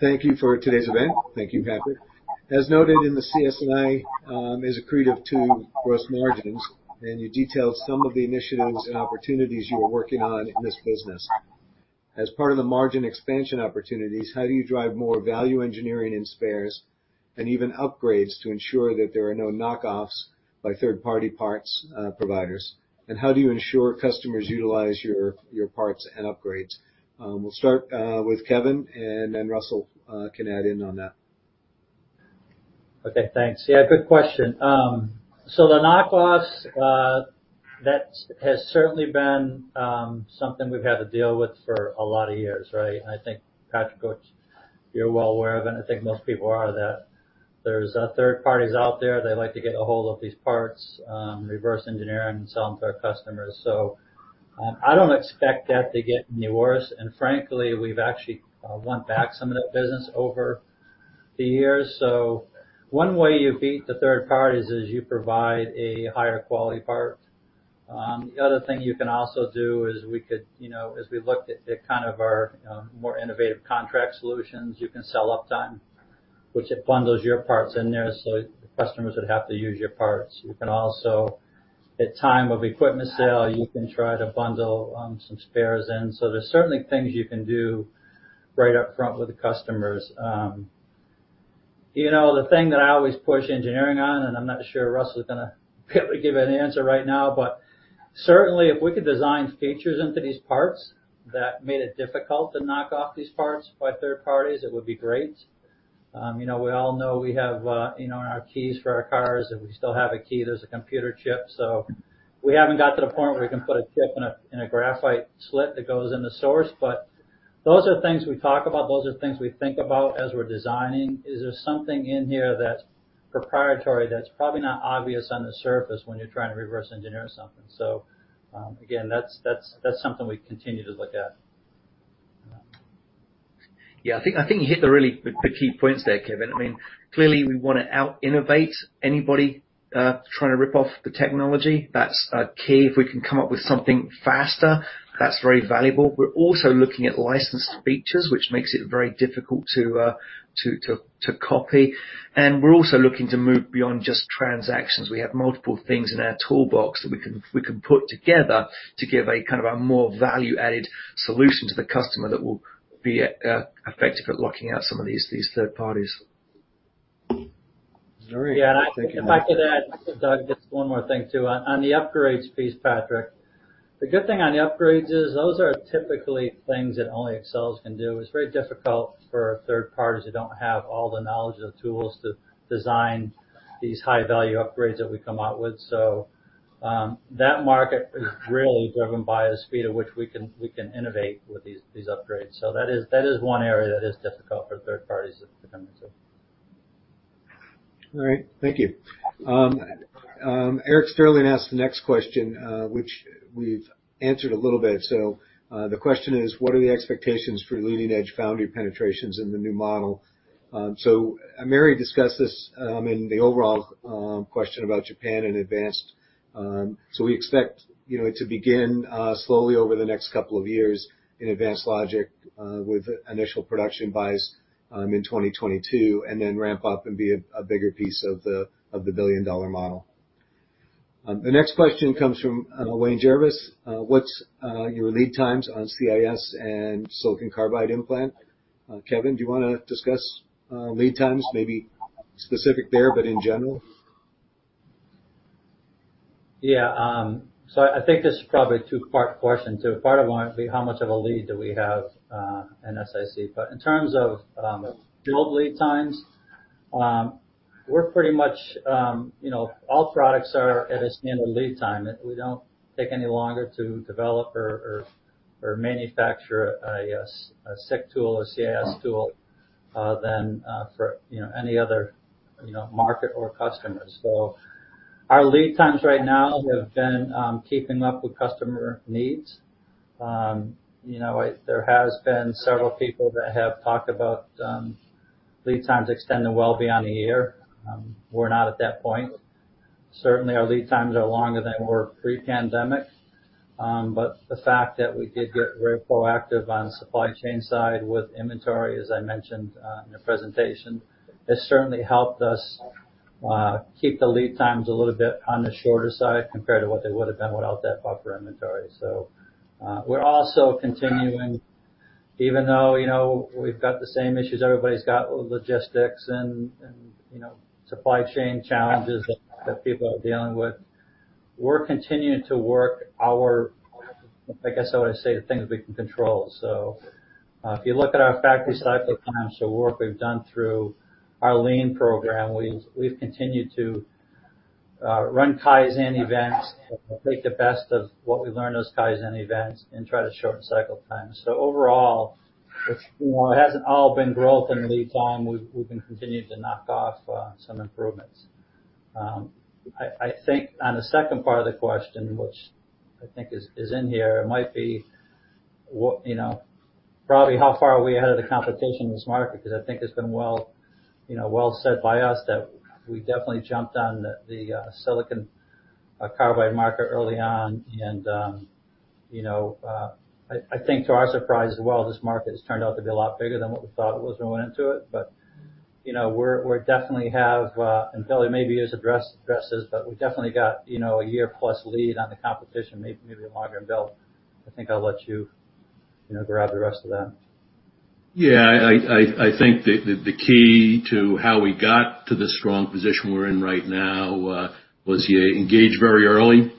Thank you for today's event. Thank you, Patrick. As noted in the CS&I, it is accretive to gross margins, and you detailed some of the initiatives and opportunities you are working on in this business. As part of the margin expansion opportunities, how do you drive more value engineering in spares and even upgrades to ensure that there are no knockoffs by third-party parts providers? And how do you ensure customers utilize your parts and upgrades? We'll start with Kevin, and then Russell can add in on that.
Okay, thanks. Yeah, good question. So the knockoffs, that has certainly been something we've had to deal with for a lot of years, right? I think, Patrick, which you're well aware of, and I think most people are, that there's third parties out there, they like to get a hold of these parts, reverse engineer and sell them to our customers. So I don't expect that to get any worse. And frankly, we've actually won back some of that business over the years. So one way you beat the third parties is you provide a higher quality part. The other thing you can also do is we could, you know, as we looked at kind of our more innovative contract solutions, you can sell uptime, which it bundles your parts in there, so customers would have to use your parts. And you can also, at time of equipment sale, you can try to bundle some spares in. So there's certainly things you can do right up front with the customers. You know, the thing that I always push engineering on, and I'm not sure Russ is gonna be able to give an answer right now, but certainly if we could design features into these parts that made it difficult to knock off these parts by third parties, it would be great. You know, we all know we have, you know, in our keys for our cars, and we still have a key, there's a computer chip. So we haven't got to the point where we can put a chip in a graphite slit that goes in the source. But those are things we talk about. Those are things we think about as we're designing. Is there something in here that's proprietary that's probably not obvious on the surface when you're trying to reverse engineer something? Again, that's something we continue to look at.
Yeah. I think you hit the really good key points there, Kevin. I mean, clearly we wanna out-innovate anybody trying to rip off the technology. That's key. If we can come up with something faster, that's very valuable. We're also looking at licensed features, which makes it very difficult to copy. We're also looking to move beyond just transactions. We have multiple things in our toolbox that we can put together to give a kind of a more value-added solution to the customer that will be effective at locking out some of these third parties.
Yeah. If I could add, just one more thing too. On the upgrades piece, Patrick, the good thing on the upgrades is those are typically things that only Axcelis can do. It's very difficult for third parties who don't have all the knowledge, the tools to design these high value upgrades that we come out with so. That market is really driven by the speed at which we can innovate with these upgrades. That is one area that is difficult for third parties to compete with.
All right. Thank you. Eric Sterling asked the next question, which we've answered a little bit. The question is: What are the expectations for leading-edge foundry penetrations in the new model? Mary discussed this in the overall question about Japan and advanced. We expect, you know, to begin slowly over the next couple of years in advanced logic, with initial production buys in 2022, and then ramp up and be a bigger piece of the billion-dollar model. The next question comes from Wayne Jarvis. What's your lead times on CIS and silicon carbide implant? Kevin, do you wanna discuss lead times maybe specific there, but in general?
Yeah. So I think this is probably a two-part question, too. Part of it might be how much of a lead do we have in SiC. In terms of build lead times, we're pretty much you know, all products are at a standard lead time. We don't take any longer to develop or manufacture a SiC tool, a CIS tool than for you know, any other market or customers. So our lead times right now have been keeping up with customer needs. You know, there has been several people that have talked about lead times extending well beyond a year. We're not at that point. Certainly, our lead times are longer than were pre-pandemic. The fact that we did get very proactive on supply chain side with inventory, as I mentioned, in the presentation, has certainly helped us keep the lead times a little bit on the shorter side compared to what they would have been without that buffer inventory. So we're also continuing, even though, you know, we've got the same issues everybody's got with logistics and, you know, supply chain challenges that people are dealing with. We're continuing to work our, I guess I would say, the things we can control. If you look at our factory cycle times, the work we've done through our lean program, we've continued to run Kaizen events, take the best of what we learn in those Kaizen events, and try to shorten cycle times. Overall, while it hasn't all been growth in lead time, we've been continuing to knock off some improvements. I think on the second part of the question, which I think is in here, it might be what, you know, probably how far are we ahead of the competition in this market, because I think it's been well said by us that we definitely jumped on the silicon carbide market early on. You know, I think to our surprise as well, this market has turned out to be a lot bigger than what we thought it was when we went into it. You know, we definitely have, and Bill maybe has addressed, but we definitely got, you know, a year-plus lead on the competition, maybe even longer. Bill, I think I'll let you know, grab the rest of that.
Yeah. I think the key to how we got to the strong position we're in right now was you engage very early.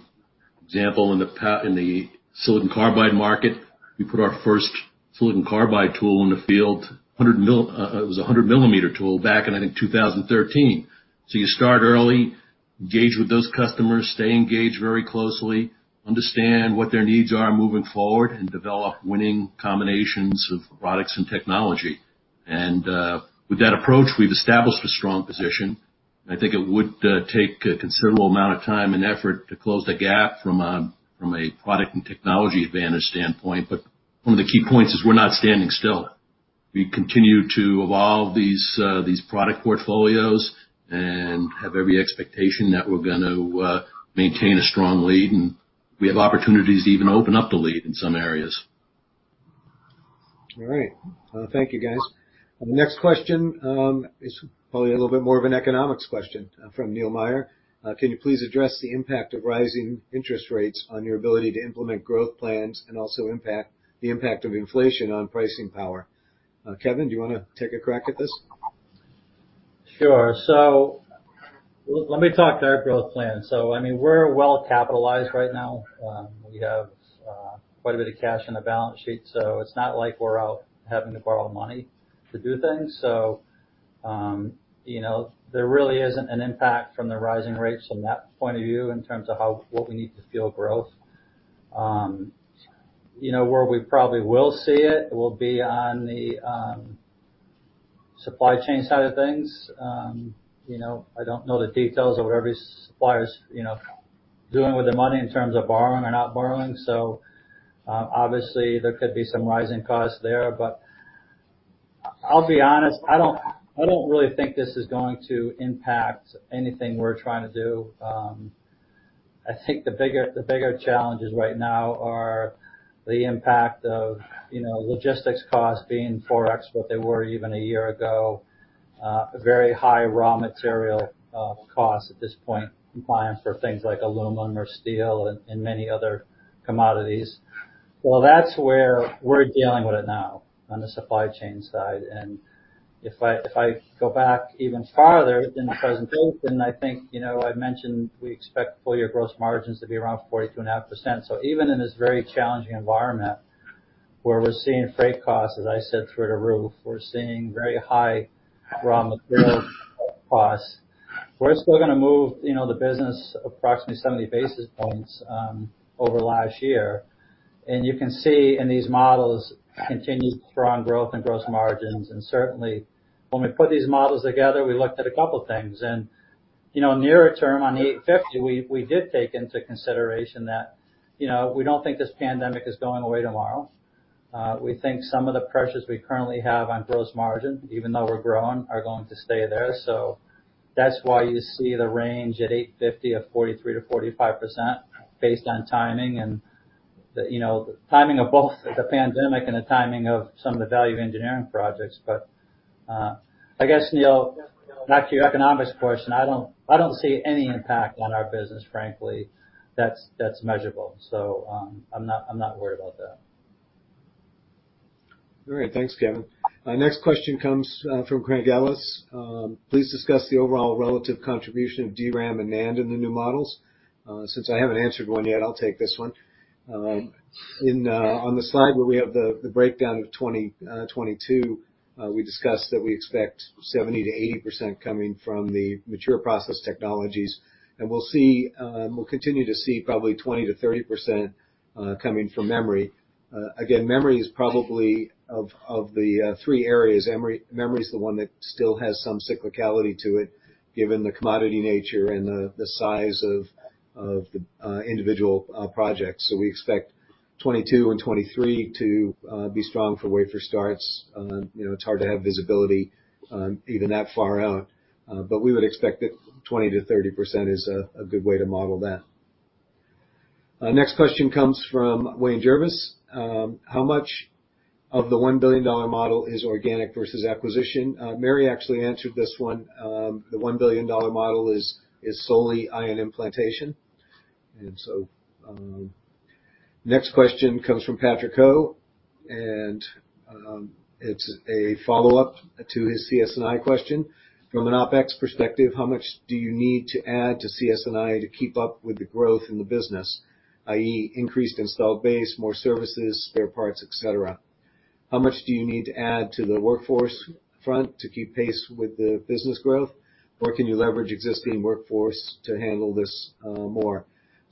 Example, in the silicon carbide market, we put our first silicon carbide tool in the field, a 100 MM tool back in, I think, 2013. You start early, engage with those customers, stay engaged very closely, understand what their needs are moving forward, and develop winning combinations of products and technology. With that approach, we've established a strong position, and I think it would take a considerable amount of time and effort to close the gap from a product and technology advantage standpoint. But one of the key points is we're not standing still. We continue to evolve these product portfolios and have every expectation that we're going to maintain a strong lead, and we have opportunities to even open up the lead in some areas.
All right. Well, thank you, guys. The next question is probably a little bit more of an economics question from Neil Meyer. Can you please address the impact of rising interest rates on your ability to implement growth plans and also the impact of inflation on pricing power? Kevin, do you wanna take a crack at this?
Sure. Let me talk to our growth plan. I mean, we're well capitalized right now. We have quite a bit of cash on the balance sheet, so it's not like we're out having to borrow money to do things. You know, there really isn't an impact from the rising rates from that point of view in terms of what we need to fuel growth. You know, where we probably will see it will be on the supply chain side of things. You know, I don't know the details of what every supplier's doing with their money in terms of borrowing or not borrowing, so obviously, there could be some rising costs there. But I'll be honest, I don't really think this is going to impact anything we're trying to do. I think the bigger challenges right now are the impact of, you know, logistics costs being 4x what they were even a year ago, very high raw material costs at this point, compliance for things like aluminum or steel and many other commodities. Well, that's where we're dealing with it now on the supply chain side. If I go back even farther than the present date, then I think, you know, I mentioned we expect full year gross margins to be around 42.5%. Even in this very challenging environment, where we're seeing freight costs, as I said, through the roof, we're seeing very high raw material costs, we're still gonna move, you know, the business approximately 70 basis points over last year. You can see in these models continued strong growth in gross margins. And certainly when we put these models together, we looked at a couple things. Nearer term on $850, we did take into consideration that, you know, we don't think this pandemic is going away tomorrow. We think some of the pressures we currently have on gross margin, even though we're growing, are going to stay there. That's why you see the range at $850 of 43%-45% based on timing and the, you know, timing of both the pandemic and the timing of some of the value engineering projects. But I guess, Neil, back to your economics portion, I don't see any impact on our business, frankly, that's measurable. I'm not worried about that.
All right. Thanks, Kevin. Our next question comes from Craig Ellis. Please discuss the overall relative contribution of DRAM and NAND in the new models. Since I haven't answered one yet, I'll take this one. In on the slide where we have the breakdown of 2022 we discussed that we expect 70%-80% coming from the mature process technologies. We'll continue to see probably 20%-30% coming from memory. Again, memory is probably of the three areas memory is the one that still has some cyclicality to it, given the commodity nature and the size of the individual projects. So we expect 2022 and 2023 to be strong for wafer starts. You know, it's hard to have visibility even that far out, but we would expect that 20%-30% is a good way to model that. Next question comes from Wayne Jarvis. How much of the $1 billion model is organic versus acquisition? Mary actually answered this one. The $1 billion model is solely ion implantation. Next question comes from Patrick Ho, and it's a follow-up to his CS&I question. From an OpEx perspective, how much do you need to add to CS&I to keep up with the growth in the business, i.e., increased installed base, more services, spare parts, et cetera? How much do you need to add to the workforce front to keep pace with the business growth, or can you leverage existing workforce to handle this more?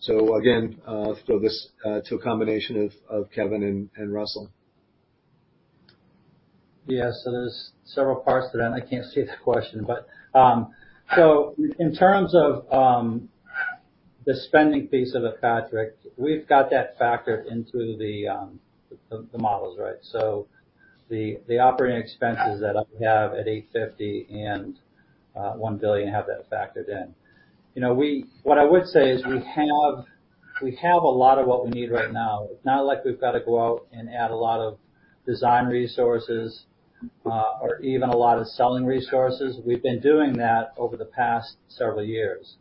Again, I'll throw this to a combination of Kevin and Russell.
Yes. There's several parts to that, and I can't see the question. In terms of the spending piece of it, Patrick, we've got that factored into the models, right? The operating expenses that I have at $850 million and $1 billion have that factored in. You know, what I would say is we have a lot of what we need right now. It's not like we've got to go out and add a lot of design resources or even a lot of selling resources. We've been doing that over the past several years.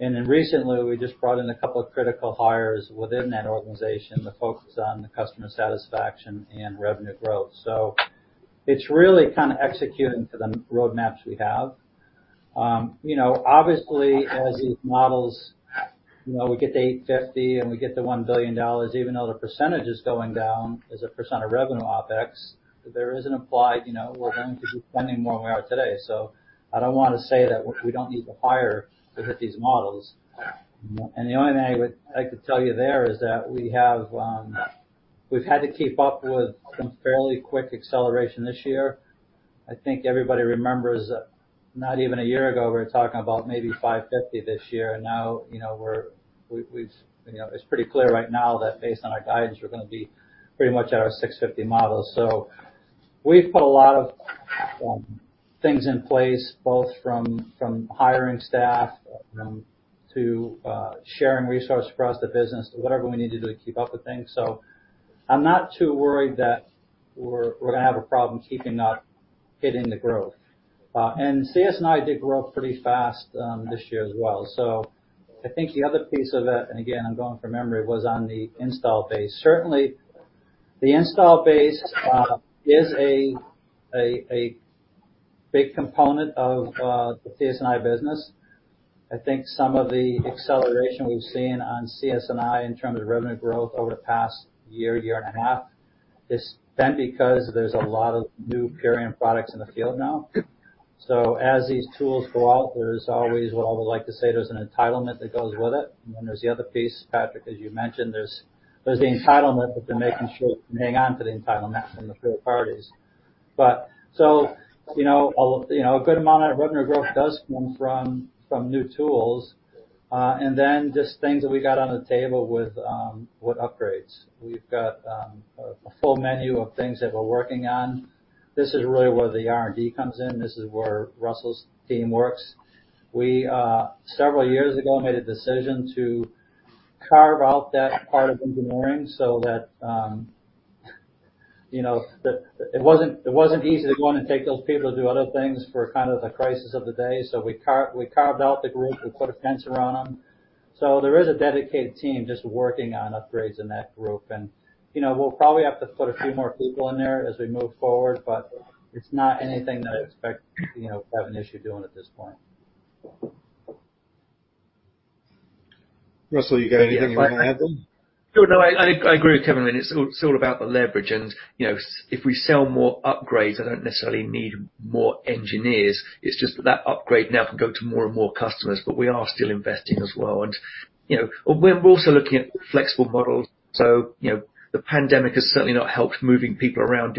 Recently, we just brought in a couple of critical hires within that organization to focus on the customer satisfaction and revenue growth. It's really kind of executing to the roadmaps we have. You know, obviously as these models, you know, we get to $850 and we get to $1 billion, even though the percentage is going down as a percent of revenue OpEx, there is an implied, you know, we're going to be spending more than we are today. I don't wanna say that we don't need to hire to hit these models. The only thing I would like to tell you there is that we have, we've had to keep up with some fairly quick acceleration this year. I think everybody remembers that not even a year ago, we were talking about maybe $550 this year, and now, you know, we've, you know, it's pretty clear right now that based on our guidance, we're gonna be pretty much at our $650 model. We've put a lot of things in place, both from hiring staff to sharing resources across the business, whatever we need to do to keep up with things. I'm not too worried that we're gonna have a problem keeping up hitting the growth. CS&I did grow pretty fast this year as well. I think the other piece of it, and again, I'm going from memory, was on the install base. Certainly, the install base is a big component of the CS&I business. I think some of the acceleration we've seen on CS&I in terms of revenue growth over the past year and a half is because there's a lot of new Purion products in the field now. As these tools go out, there's always an entitlement that goes with it. There's the other piece, Patrick, as you mentioned. There's the entitlement, but then making sure you can hang on to the entitlement from the third parties. You know, a good amount of revenue growth does come from new tools and then just things that we got on the table with upgrades. We've got a full menu of things that we're working on. This is really where the R&D comes in. This is where Russell's team works. Several years ago we made a decision to carve out that part of engineering so that you know it wasn't easy to go in and take those people to do other things for kind of the crisis of the day. We carved out the group. We put a fence around them. There is a dedicated team just working on upgrades in that group. You know, we'll probably have to put a few more people in there as we move forward, but it's not anything that I expect you know to have an issue doing at this point.
Russell, you got anything you wanna add then?
No, I agree with Kevin. It's all about the leverage. You know, if we sell more upgrades, I don't necessarily need more engineers. It's just that upgrade now can go to more and more customers, but we are still investing as well. You know, we're also looking at flexible models. You know, the pandemic has certainly not helped moving people around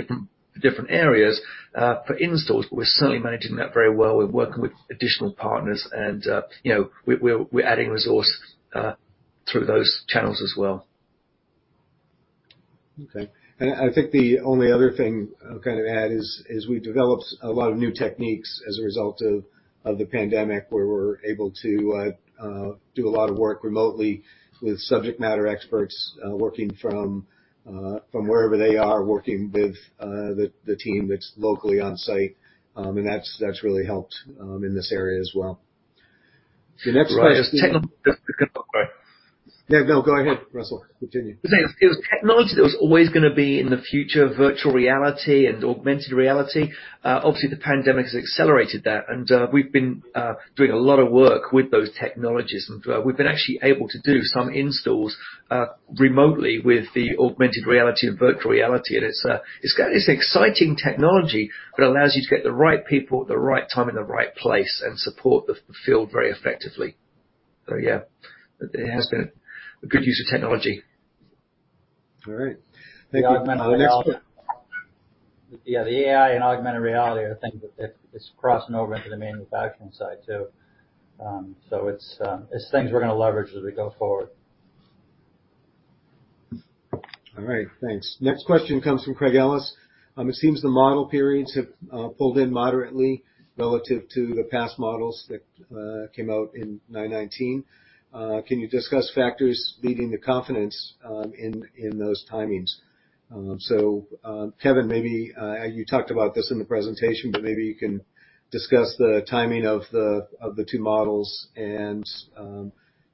different areas for installs, but we're certainly managing that very well. We're working with additional partners and, you know, we're adding resource through those channels as well.
I think the only other thing I'll kind of add is we developed a lot of new techniques as a result of the pandemic, where we're able to do a lot of work remotely with subject matter experts working from wherever they are, working with the team that's locally on site. That's really helped in this area as well. The next question-
Right. Oh, go ahead.
Yeah, no, go ahead, Russell. Continue.
It was technology that was always gonna be in the future, virtual reality and augmented reality. Obviously, the pandemic has accelerated that, and we've been doing a lot of work with those technologies. We've been actually able to do some installs remotely with the augmented reality and virtual reality. It's got this exciting technology that allows you to get the right people at the right time in the right place and support the field very effectively. Yeah, it has been a good use of technology.
All right. Thank you.
The augmented reality.
The next one.
Yeah, the AI and augmented reality, I think that it's crossing over into the manufacturing side, too. It's things we're gonna leverage as we go forward.
All right. Thanks. Next question comes from Craig Ellis. It seems the model periods have pulled in moderately relative to the past models that came out in 2019. Can you discuss factors leading to the confidence in those timings? Kevin, maybe you talked about this in the presentation, but maybe you can discuss the timing of the two models and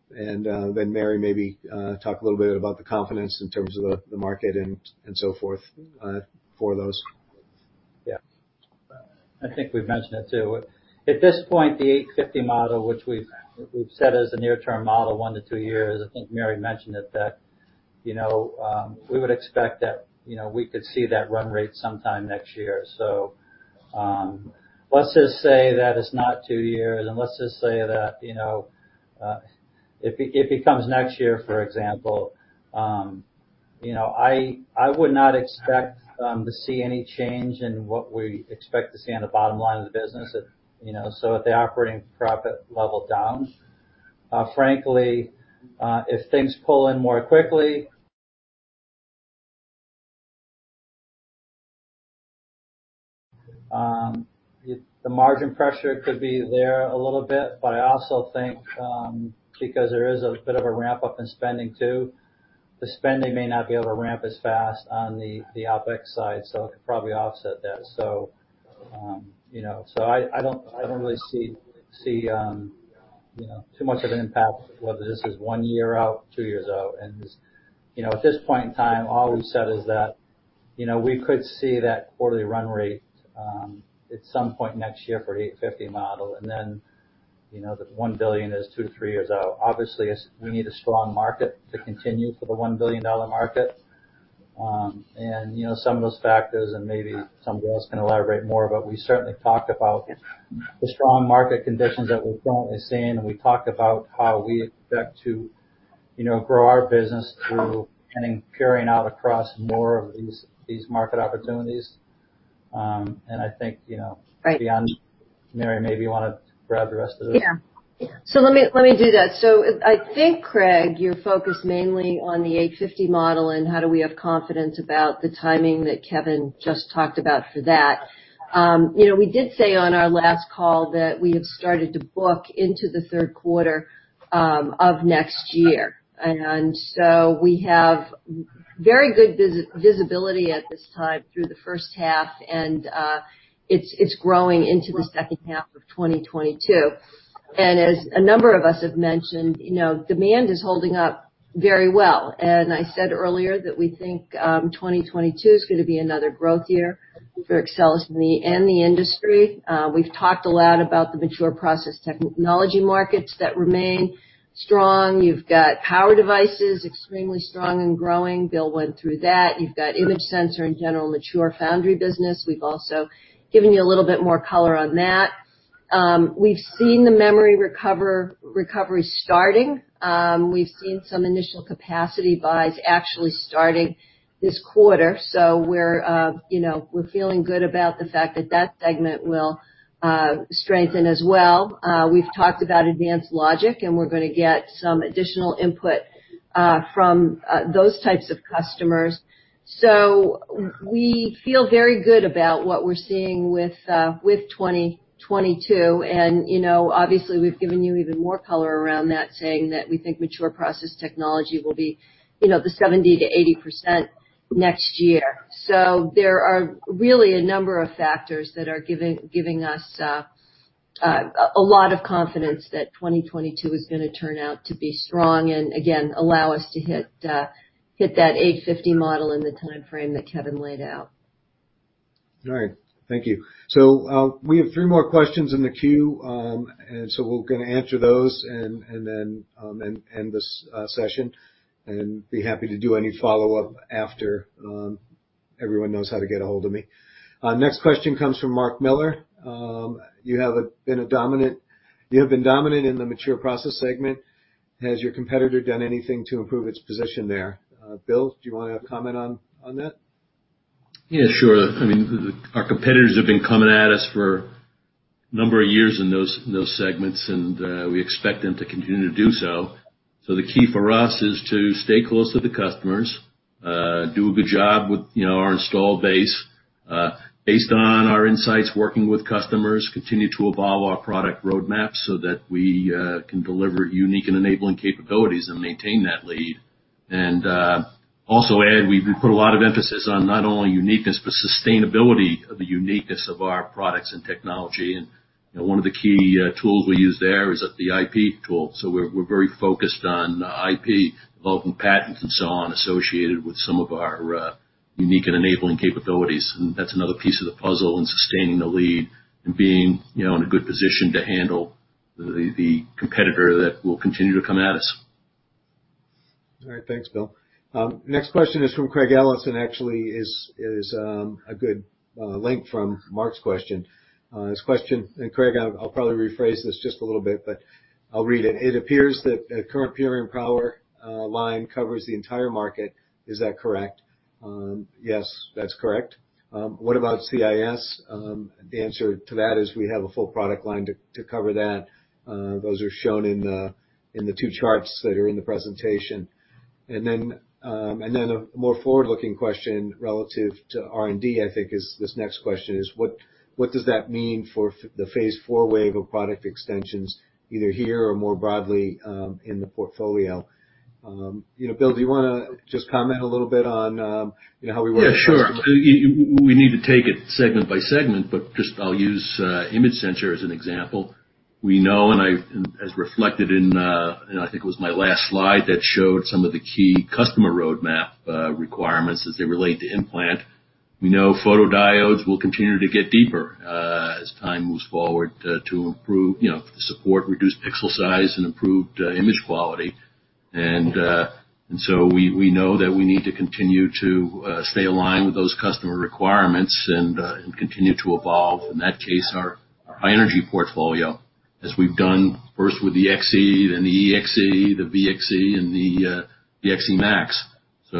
then Mary, maybe talk a little bit about the confidence in terms of the market and so forth for those.
Yeah. I think we've mentioned it, too. At this point, the 850 model, which we've set as a near-term model, one to two years, I think Mary mentioned it, that, you know, we would expect that, you know, we could see that run rate sometime next year. So, let's just say that it's not two years, and let's just say that, you know, it becomes next year, for example. You know, I would not expect to see any change in what we expect to see on the bottom line of the business. If, you know, so at the operating profit level down. Frankly, if things pull in more quickly, the margin pressure could be there a little bit, but I also think, because there is a bit of a ramp-up in spending too, the spending may not be able to ramp as fast on the OpEx side, so it could probably offset that. You know. I don't really see. You know, too much of an impact whether this is one year out, two years out. This, you know, at this point in time, all we've said is that, you know, we could see that quarterly run rate at some point next year for the 850 model. Then, you know, the $1 billion is two to three years out. Obviously, it's we need a strong market to continue for the $1 billion market. Some of those factors, and maybe somebody else can elaborate more, but we certainly talked about the strong market conditions that we're currently seeing, and we talked about how we expect to, you know, grow our business through kind of carrying out across more of these market opportunities. I think, you know.
Right.
Beyond Mary, maybe you wanna grab the rest of this.
Yeah. Let me do that. I think, Craig, you're focused mainly on the 850 model, and how do we have confidence about the timing that Kevin just talked about for that. You know, we did say on our last call that we have started to book into the third quarter of next year. We have very good visibility at this time through the first half, and it's growing into the second half of 2022. As a number of us have mentioned, you know, demand is holding up very well. I said earlier that we think 2022 is gonna be another growth year for Axcelis and the industry. We've talked a lot about the mature process technology markets that remain strong. You've got power devices extremely strong and growing. Bill went through that. You've got image sensor and general mature foundry business. We've also given you a little bit more color on that. We've seen the memory recovery starting. We've seen some initial capacity buys actually starting this quarter. You know, we're feeling good about the fact that that segment will strengthen as well. We've talked about advanced logic, and we're gonna get some additional input from those types of customers. We feel very good about what we're seeing with 2022. And you know, obviously, we've given you even more color around that, saying that we think mature process technology will be, you know, the 70%-80% next year. There are really a number of factors that are giving us a lot of confidence that 2022 is gonna turn out to be strong and again, allow us to hit that $850 model in the timeframe that Kevin laid out.
All right. Thank you. We have three more questions in the queue, and we're gonna answer those and then end this session, and be happy to do any follow-up after everyone knows how to get ahold of me. Next question comes from Mark Miller. You have been dominant in the mature process segment. Has your competitor done anything to improve its position there? Bill, do you wanna comment on that?
Yeah, sure. I mean, our competitors have been coming at us for a number of years in those segments, and we expect them to continue to do so. The key for us is to stay close to the customers, do a good job with, you know, our install base, based on our insights working with customers, continue to evolve our product roadmap so that we can deliver unique and enabling capabilities and maintain that lead. And also, Ed, we've put a lot of emphasis on not only uniqueness, but sustainability of the uniqueness of our products and technology. You know, one of the key tools we use there is the IP tool. We're very focused on IP, developing patents and so on associated with some of our unique and enabling capabilities. That's another piece of the puzzle in sustaining the lead and being, you know, in a good position to handle the competitor that will continue to come at us.
All right. Thanks, Bill. Next question is from Craig Ellis, actually is a good link from Mark's question. His question, and Craig, I'll probably rephrase this just a little bit, but I'll read it. It appears that the current Purion and Power line covers the entire market. Is that correct? Yes, that's correct. What about CIS? The answer to that is we have a full product line to cover that. Those are shown in the two charts that are in the presentation. Then a more forward-looking question relative to R&D, I think, is this next question: What does that mean for the phase four wave of product extensions, either here or more broadly, in the portfolio? You know, Bill, do you wanna just comment a little bit on, you know, how we work-
Yeah, sure. We need to take it segment by segment, but just I'll use image sensor as an example. We know, and as reflected in, I think it was my last slide that showed some of the key customer roadmap requirements as they relate to implant. We know photodiodes will continue to get deeper as time moves forward to improve, you know, support reduced pixel size and improved image quality. We know that we need to continue to stay aligned with those customer requirements and continue to evolve, in that case, our energy portfolio, as we've done first with the XE, then the EXE, the VXE, and the XE Max. We're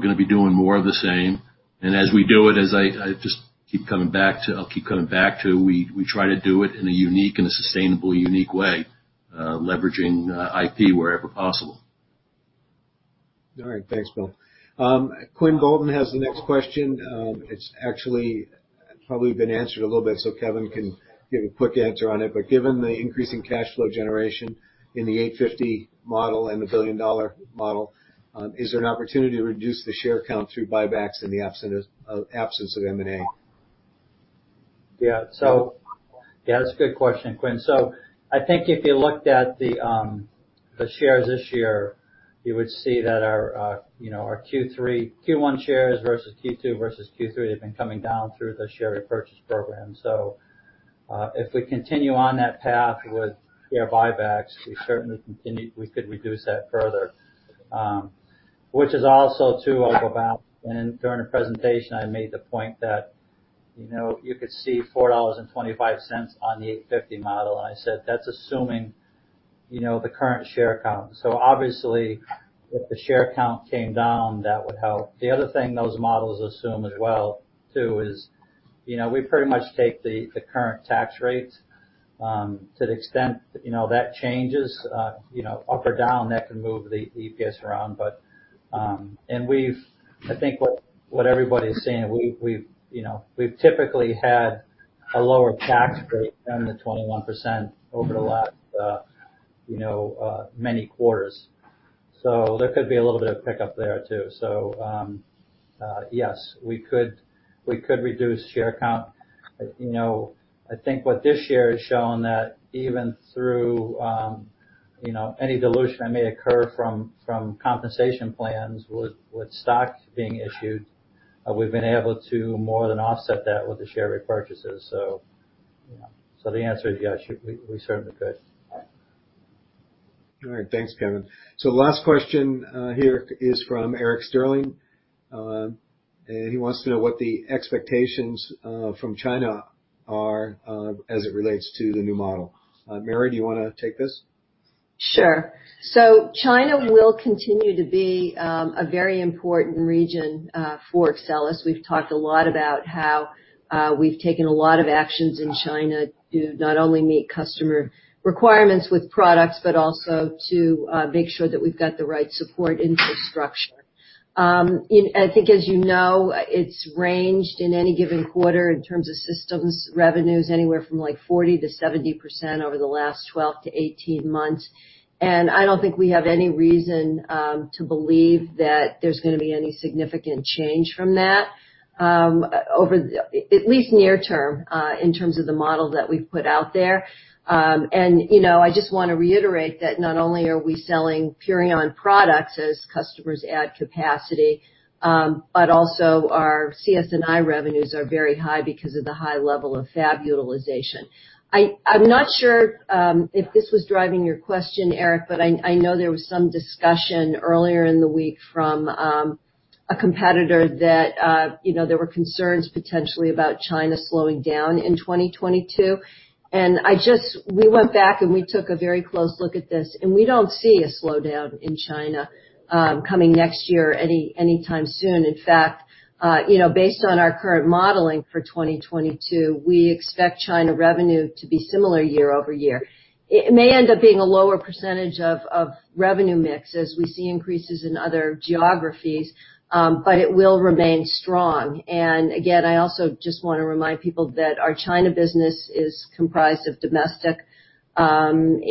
gonna be doing more of the same. As we do it, I'll keep coming back to. We try to do it in a unique and sustainable way, leveraging IP wherever possible.
All right. Thanks, Bill. Quinn Bolton has the next question. It's actually probably been answered a little bit, so Kevin can give a quick answer on it. Given the increasing cash flow generation in the 850 model and the billion-dollar model, is there an opportunity to reduce the share count through buybacks in the absence of M&A?
Yeah. Yeah, that's a good question, Quinn. I think if you looked at the shares this year, you would see that our you know, our Q1 shares versus Q2 versus Q3, they've been coming down through the share repurchase program. If we continue on that path with share buybacks, we could reduce that further. Which is also, too, I'll go back and during the presentation, I made the point that you know, you could see $4.25 on the 850 model, and I said, that's assuming you know, the current share count. So obviously, if the share count came down, that would help. The other thing those models assume as well too is, you know, we pretty much take the current tax rates, to the extent, you know, that changes, up or down, that can move the EPS around. I think what everybody's seeing, we've typically had a lower tax rate than the 21% over the last many quarters. So there could be a little bit of pick-up there too. Yes, we could reduce share count. You know, I think what this year has shown that even through any dilution that may occur from compensation plans with stock being issued, we've been able to more than offset that with the share repurchases. The answer is yes, we certainly could.
All right. Thanks, Kevin. The last question here is from Eric Sterling. He wants to know what the expectations from China are as it relates to the new model. Mary, do you wanna take this?
Sure. China will continue to be a very important region for Axcelis. We've talked a lot about how we've taken a lot of actions in China to not only meet customer requirements with products, but also to make sure that we've got the right support infrastructure. I think as you know, it's ranged in any given quarter in terms of systems revenues, anywhere from, like, 40%-70% over the last 12-18 months. I don't think we have any reason to believe that there's gonna be any significant change from that over the at least near term in terms of the model that we've put out there. You know, I just wanna reiterate that not only are we selling Purion products as customers add capacity, but also our CS&I revenues are very high because of the high level of fab utilization. I'm not sure if this was driving your question, Eric, but I know there was some discussion earlier in the week from a competitor that you know, there were concerns potentially about China slowing down in 2022. We went back, and we took a very close look at this, and we don't see a slowdown in China coming next year anytime soon. In fact, you know, based on our current modeling for 2022, we expect China revenue to be similar year-over-year. It may end up being a lower percentage of revenue mix as we see increases in other geographies, but it will remain strong. Again, I also just wanna remind people that our China business is comprised of domestic and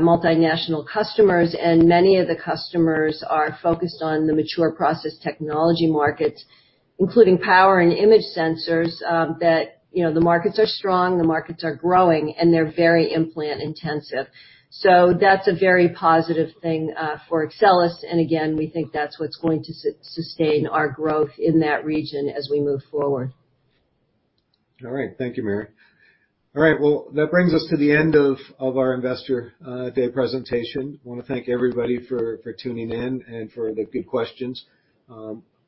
multinational customers, and many of the customers are focused on the mature process technology markets, including power and image sensors, that you know, the markets are strong, the markets are growing, and they're very implant-intensive. That's a very positive thing for Axcelis, and again, we think that's what's going to sustain our growth in that region as we move forward.
All right. Thank you, Mary. All right. Well, that brings us to the end of our Investor Day presentation. I wanna thank everybody for tuning in and for the good questions.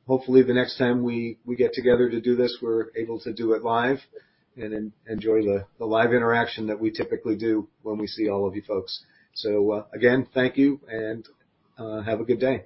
Hopefully, the next time we get together to do this, we're able to do it live and enjoy the live interaction that we typically do when we see all of you folks. Again, thank you, and have a good day.